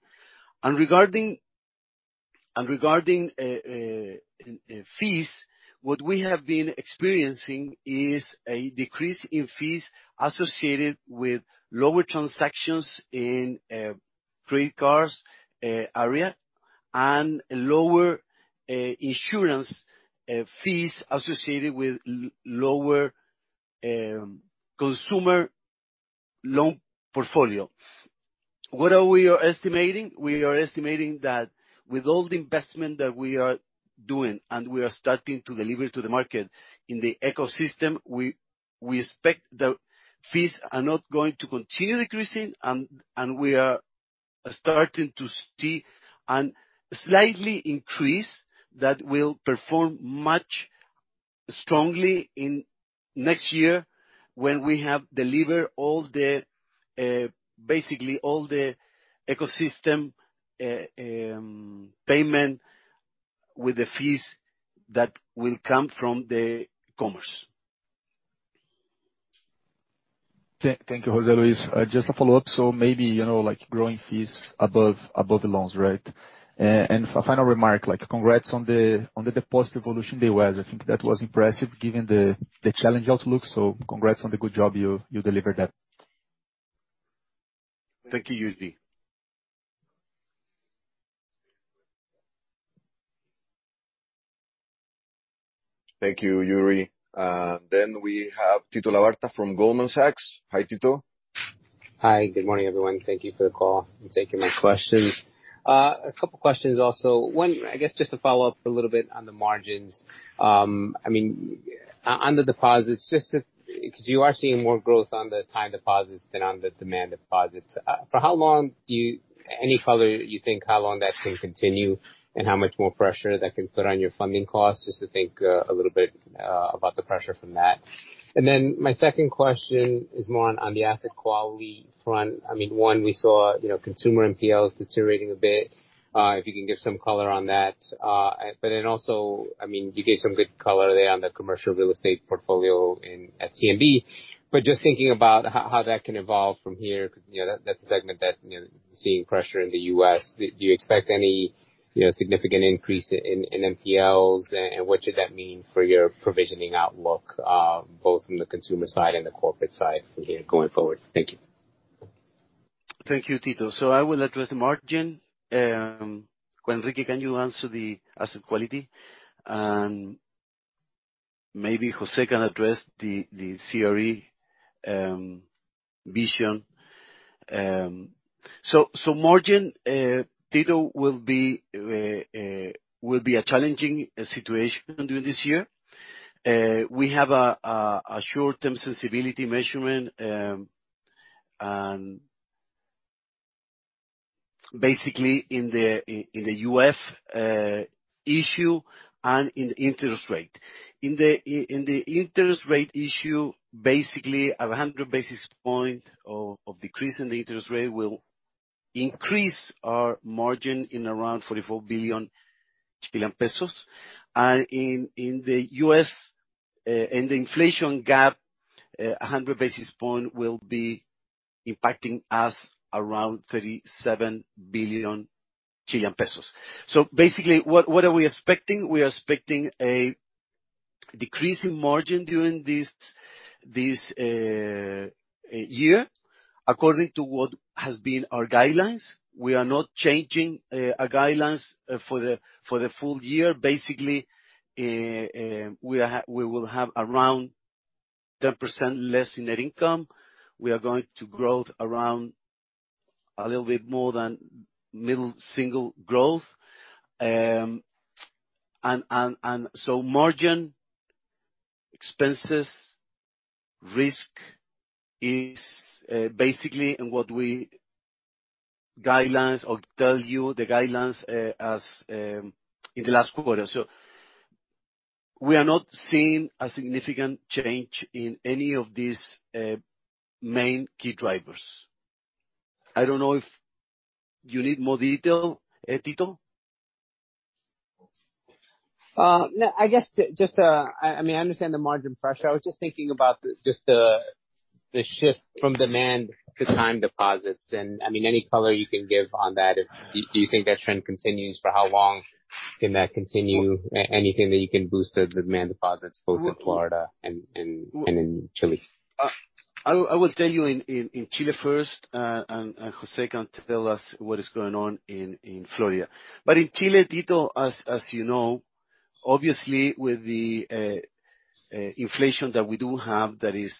Regarding fees, what we have been experiencing is a decrease in fees associated with lower transactions in credit cards area, and lower insurance fees associated with lower consumer loan portfolio. We are estimating that with all the investment that we are doing and we are starting to deliver to the market in the ecosystem, we expect the fees are not going to continue decreasing and we are starting to see a slight increase that will perform much stronger in next year when we have delivered basically all the ecosystem payment with the fees that will come from the commerce. Thank you, José Luis. Just a follow-up. Maybe growing fees above the loans, right? And a final remark, congrats on the deposit revolution day. I think that was impressive given the challenge outlook. Congrats on the good job you delivered that. Thank you, Yuri. Thank you, Yuri. We have Tito Labarta from Goldman Sachs. Hi, Tito. Hi. Good morning, everyone. Thank you for the call and taking my questions. A couple questions also. One, I guess just to follow up a little bit on the margins. I mean, on the deposits, because you are seeing more growth on the time deposits than on the demand deposits. Any color, you think, how long that's gonna continue and how much more pressure that can put on your funding costs, just to think a little bit about the pressure from that. My second question is more on the asset quality front. I mean, one, we saw, you know, consumer NPLs deteriorating a bit. If you can give some color on that. Also, I mean, you gave some good color there on the commercial real estate portfolio at CNB. Just thinking about how that can evolve from here, 'cause you know, that's a segment that, you know, is seeing pressure in the U.S. Do you expect any, you know, significant increase in NPLs? And what should that mean for your provisioning outlook, both from the consumer side and the corporate side from here going forward? Thank you. Thank you, Tito. I will address the margin. Juan Enrique Pino, can you answer the asset quality? Maybe José can address the CRE vision. Margin, Tito, will be a challenging situation during this year. We have a short-term sensitivity measurement, and basically in the U.S. issue and in interest rate. In the interest rate issue, basically 100 basis point decrease in the interest rate will increase our margin in around 44 billion pesos. In the U.S., in the inflation gap, 100 basis point will be impacting us around 37 billion Chilean pesos. Basically what are we expecting? We are expecting a decrease in margin during this year, according to what has been our guidelines. We are not changing our guidelines for the full year. Basically, we will have around 10% less net income. We are going to grow around a little bit more than mid-single growth. Margin, expenses, risk is basically the same as what we guided or told you the guidelines as in the last quarter. We are not seeing a significant change in any of these main key drivers. I don't know if you need more detail, Tito Labarta. No. I guess just, I mean, I understand the margin pressure. I was just thinking about the shift from demand to time deposits and, I mean, any color you can give on that. Do you think that trend continues? For how long can that continue? Anything that you can boost the demand deposits both in Florida and in Chile. I will tell you in Chile first, and José can tell us what is going on in Florida. In Chile, Tito, as you know, obviously with the inflation that we do have that is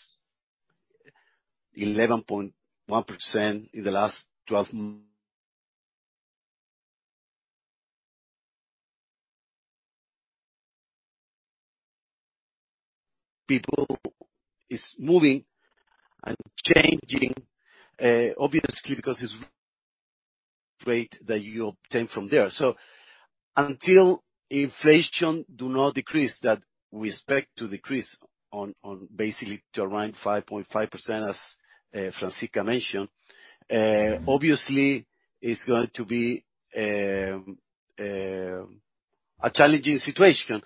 11.1% in the last 12 months. People is moving and changing, obviously because it's rate that you obtain from there. Until inflation do not decrease, that we expect to decrease basically to around 5.5% as Francisca Pérez mentioned. Obviously, it's going to be a challenging situation.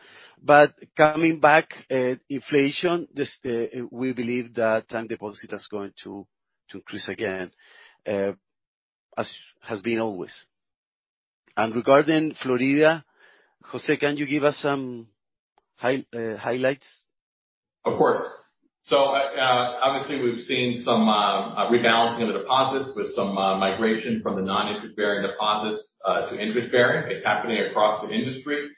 Coming back, inflation, we believe that time deposit is going to increase again, as has been always. Regarding Florida, José, can you give us some highlights? Of course. Obviously we've seen some rebalancing of the deposits with some migration from the non-interest bearing deposits to interest bearing. It's happening across the industry.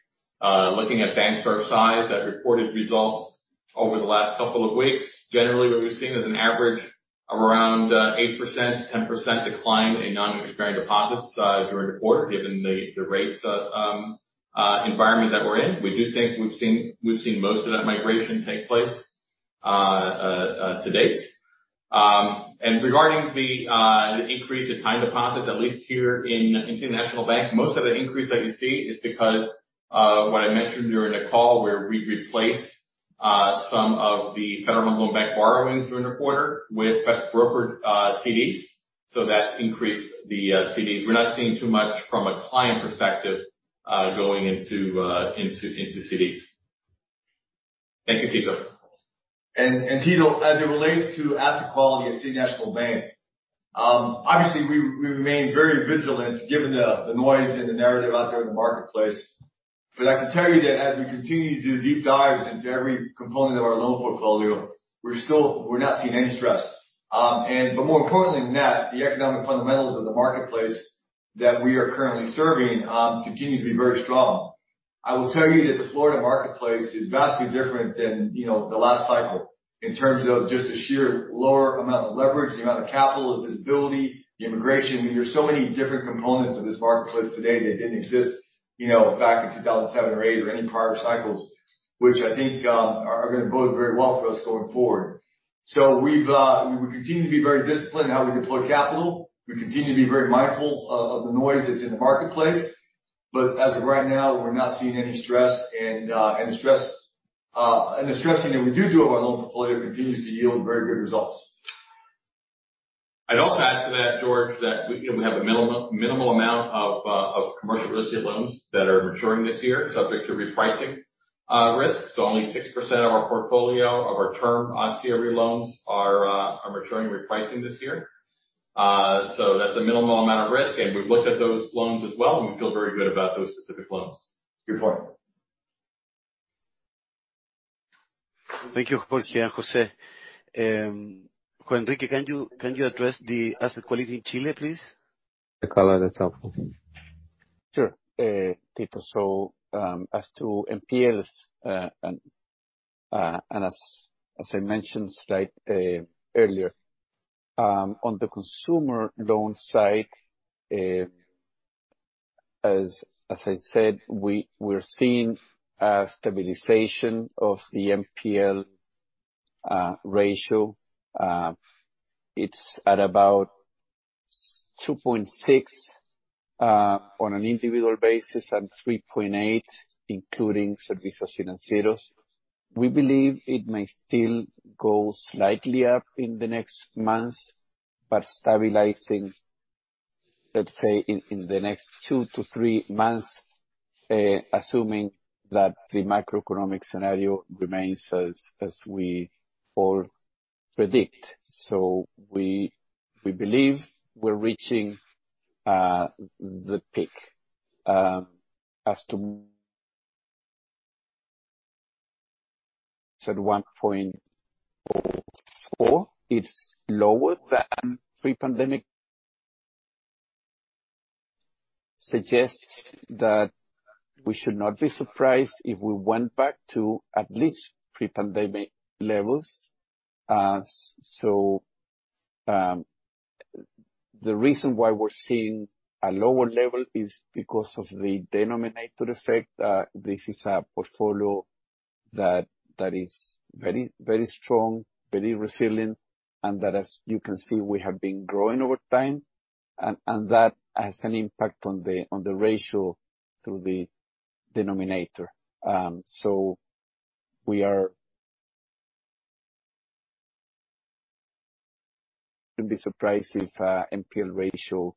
Looking at banks of our size that reported results over the last couple of weeks, generally what we've seen is an average of around 8%-10% decline in non-interest bearing deposits during the quarter, given the rates environment that we're in. We do think we've seen most of that migration take place to date. Regarding the increase in time deposits, at least here in City National Bank, most of the increase that you see is because of what I mentioned during the call, where we replaced some of the Federal Home Loan Bank borrowings during the quarter with brokered CDs. That increased the CDs. We're not seeing too much from a client perspective, going into CDs. Thank you, Tito. Tito Labarta, as it relates to asset quality at City National Bank, obviously we remain very vigilant given the noise and the narrative out there in the marketplace. I can tell you that as we continue to do deep dives into every component of our loan portfolio, we're not seeing any stress. More importantly than that, the economic fundamentals of the marketplace that we are currently serving continue to be very strong. I will tell you that the Florida marketplace is vastly different than, you know, the last cycle in terms of just the sheer lower amount of leverage, the amount of capital, the visibility, the immigration. I mean, there's so many different components of this marketplace today that didn't exist, you know, back in 2007 or 2008 or any prior cycles, which I think are gonna bode very well for us going forward. We continue to be very disciplined in how we deploy capital. We continue to be very mindful of the noise that's in the marketplace. As of right now, we're not seeing any stress, and the stressing that we do on our loan portfolio continues to yield very good results. I'd also add to that, Jorge, that we, you know, we have a minimum, minimal amount of commercial real estate loans that are maturing this year, subject to repricing risk. Only 6% of our portfolio of our term CRE loans are maturing and repricing this year. So that's a minimal amount of risk, and we've looked at those loans as well, and we feel very good about those specific loans. Good point. Thank you, Jorge and José. Juan Enrique, can you address the asset quality in Chile, please? The color that's helpful. Sure, Tito. As to NPLs, and as I mentioned slightly earlier, on the consumer loan side, as I said, we're seeing a stabilization of the NPL ratio. It's at about 2.6% on an individual basis and 3.8% including Servicios Financieros. We believe it may still go slightly up in the next months, but stabilizing, let's say in the next 2-3 months, assuming that the macroeconomic scenario remains as we all predict. We believe we're reaching the peak. At 1.4%, it's lower than pre-pandemic. Suggests that we should not be surprised if we went back to at least pre-pandemic levels. The reason why we're seeing a lower level is because of the denominator effect. This is a portfolio that is very, very strong, very resilient, and that, as you can see, we have been growing over time. That has an impact on the ratio through the denominator. Wouldn't be surprised if NPL ratio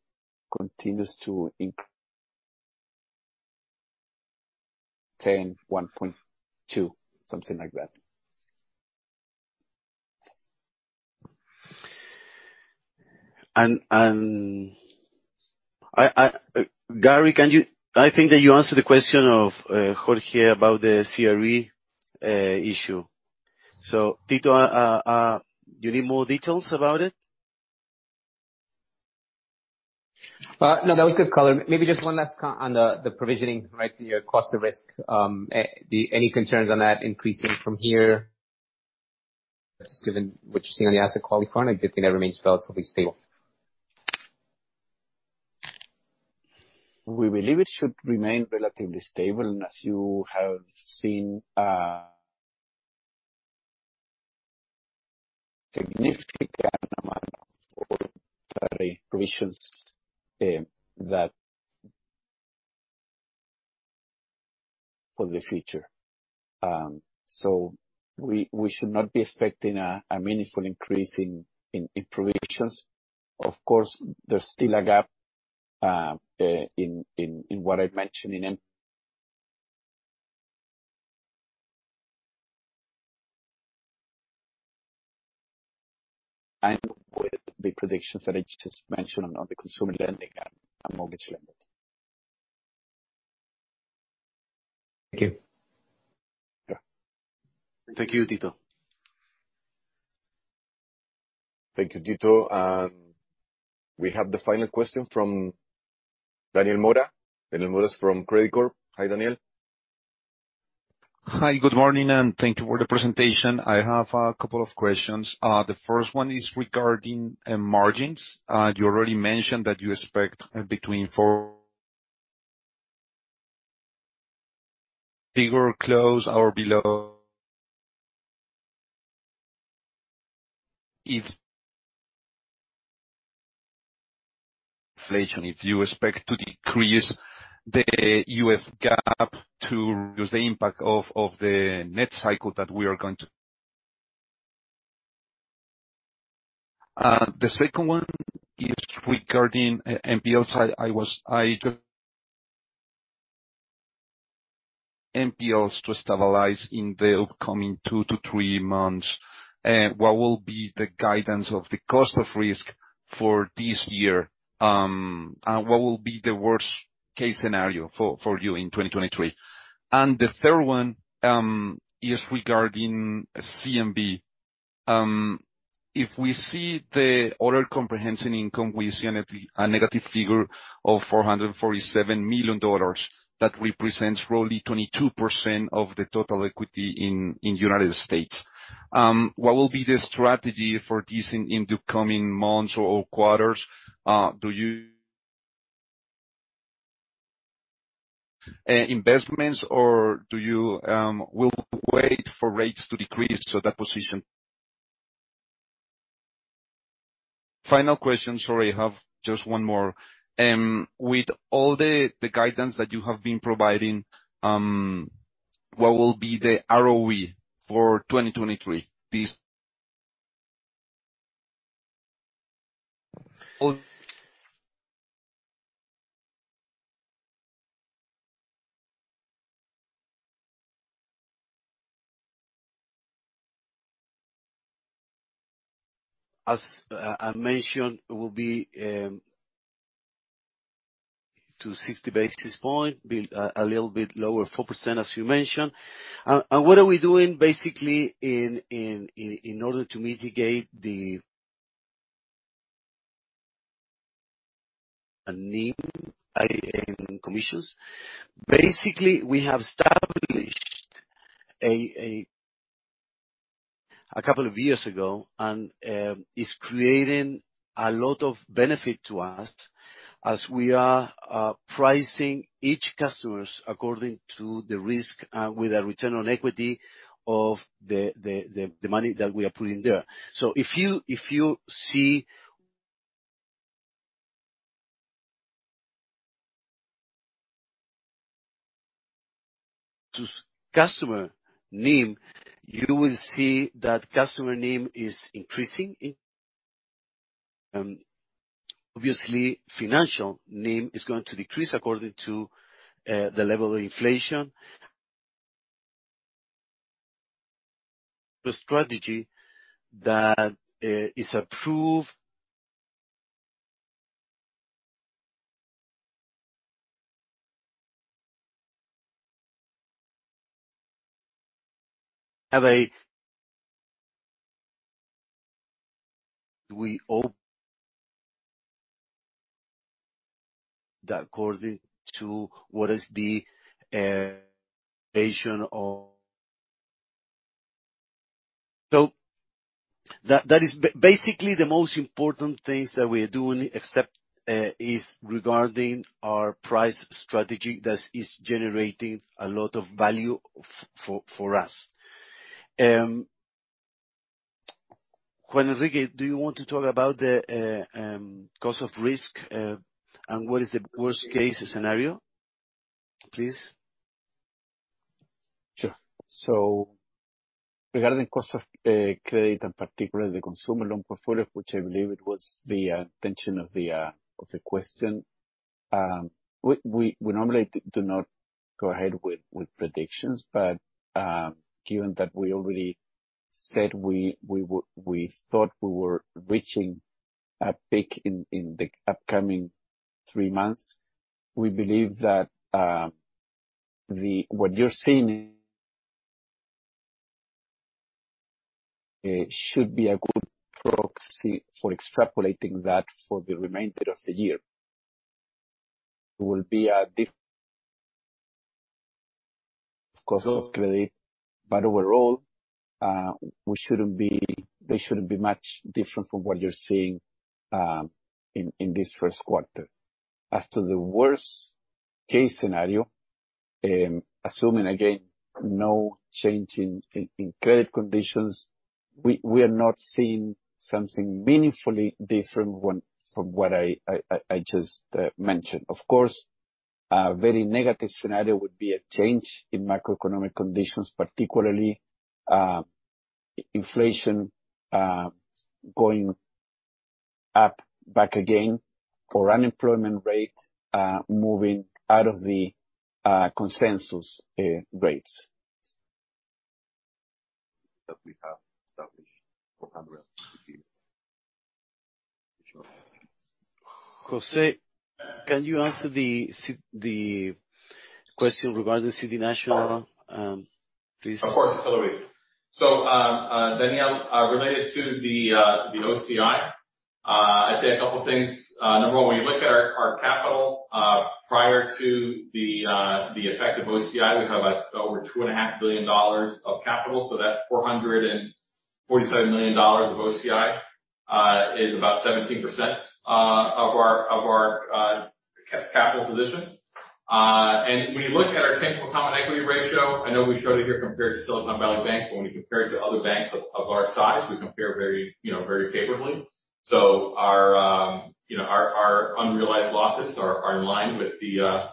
continues to 1.0%-1.2%, something like that. I think that you answered the question of Jorge about the CRE issue. Tito, you need more details about it? No, that was good color. Maybe just one last comment on the provisioning, right? Your cost of risk. Any concerns on that increasing from here, given what you're seeing on the asset quality front? I think that remains relatively stable. We believe it should remain relatively stable, and as you have seen, significant amount of provisions that for the future. We should not be expecting a meaningful increase in provisions. Of course, there's still a gap in what I mentioned in line with the predictions that I just mentioned on the consumer lending and mortgage lending. Thank you. Yeah. Thank you, Tito. Thank you, Tito. We have the final question from Daniel Mora. Daniel Mora is from Credicorp. Hi, Daniel. Hi. Good morning, and thank you for the presentation. I have a couple of questions. The first one is regarding margins. You already mentioned that you expect figure close or below if inflation, if you expect to decrease the UF gap to offset the impact of the rate cycle that we are going to. The second one is regarding NPL side. NPLs to stabilize in the upcoming 2-3 months. What will be the guidance of the cost of risk for this year? What will be the worst case scenario for you in 2023? The third one is regarding OCI. If we see the other comprehensive income, we see a negative figure of $447 million. That represents roughly 22% of the total equity in United States. What will be the strategy for this in the coming months or quarters? Investments or wait for rates to decrease, so that position. Final question, sorry. I have just one more. With all the guidance that you have been providing, what will be the ROE for 2023? This- As I mentioned, it will be to 60 basis points. It will be a little bit lower, 4% as you mentioned. What are we doing basically in order to mitigate the NIM compression. Basically, we have established a couple of years ago, and it's creating a lot of benefit to us as we are pricing each customers according to the risk with a return on equity of the money that we are putting there. If you see the customer NIM, you will see that customer NIM is increasing. Obviously financial NIM is going to decrease according to the level of inflation. The strategy that is approved have a we all that according to what is the version of. That is basically the most important things that we are doing, except as regards our price strategy, that is generating a lot of value for us. Juan Enrique, do you want to talk about the cost of risk and what is the worst case scenario, please? Sure. Regarding cost of credit, and particularly the consumer loan portfolio, which I believe it was the intention of the question, we normally do not go ahead with predictions. Given that we already said we thought we were reaching a peak in the upcoming three months. We believe that what you're seeing should be a good proxy for extrapolating that for the remainder of the year. It will be a diff- Of course, of credit, but overall, they shouldn't be much different from what you're seeing in this first quarter. As to the worst case scenario, assuming again, no change in credit conditions, we are not seeing something meaningfully different from what I just mentioned. Of course, a very negative scenario would be a change in macroeconomic conditions, particularly, inflation going up back again, or unemployment rate moving out of the consensus rates. That we have established 400. José, can you answer the question regarding City National, please? Of course, José Luis Ibaibarriaga. Daniel Mora, related to the OCI, I'd say a couple things. Number one, when you look at our capital prior to the effect of OCI, we have over $2.5 billion of capital, so that $447 million of OCI is about 17% of our capital position. When you look at our tangible common equity ratio, I know we showed it here compared to Silicon Valley Bank, but when we compare it to other banks of our size, we compare very favorably. Our unrealized losses are in line with the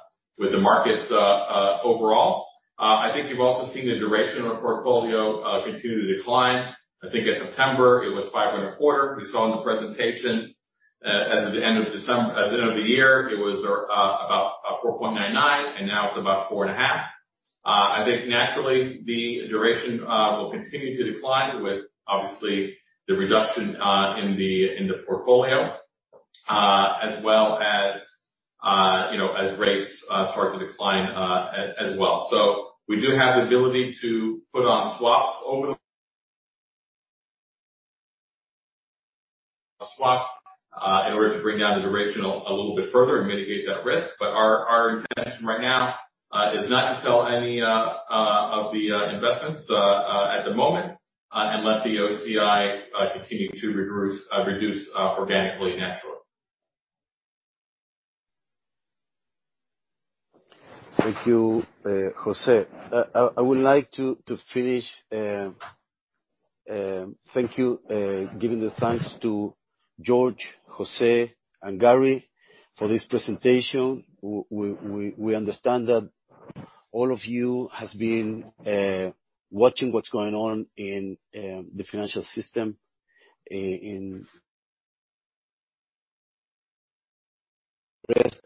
markets overall. I think you've also seen the duration of our portfolio continue to decline. I think in September it was 5.25. We saw in the presentation, as of the end of the year, it was about 4.99, and now it's about 4.5. I think naturally the duration will continue to decline with obviously the reduction in the portfolio, as well as, you know, as rates start to decline, as well. We do have the ability to put on swaps over the swap in order to bring down the duration a little bit further and mitigate that risk. Our intention right now is not to sell any of the investments at the moment and let the OCI continue to reduce organically naturally. Thank you, José Marina. Giving the thanks to Jorge González, José Marina and Gary Fitzgerald for this presentation. We understand that all of you has been watching what's going on in the financial system. It's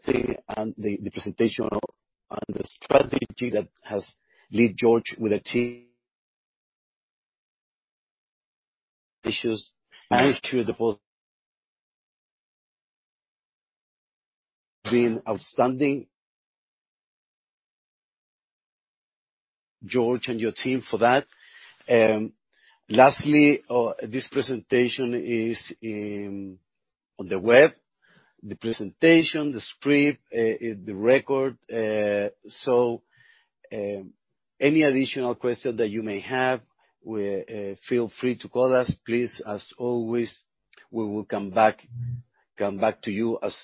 interesting and the presentation on the strategy that has led Jorge González with the team issues. Thanks to the whole been outstanding, Jorge González and your team for that. Lastly, this presentation is now on the web, the presentation, the script, the recording. Any additional questions that you may have, feel free to call us. Please, as always, we will come back to you as soon.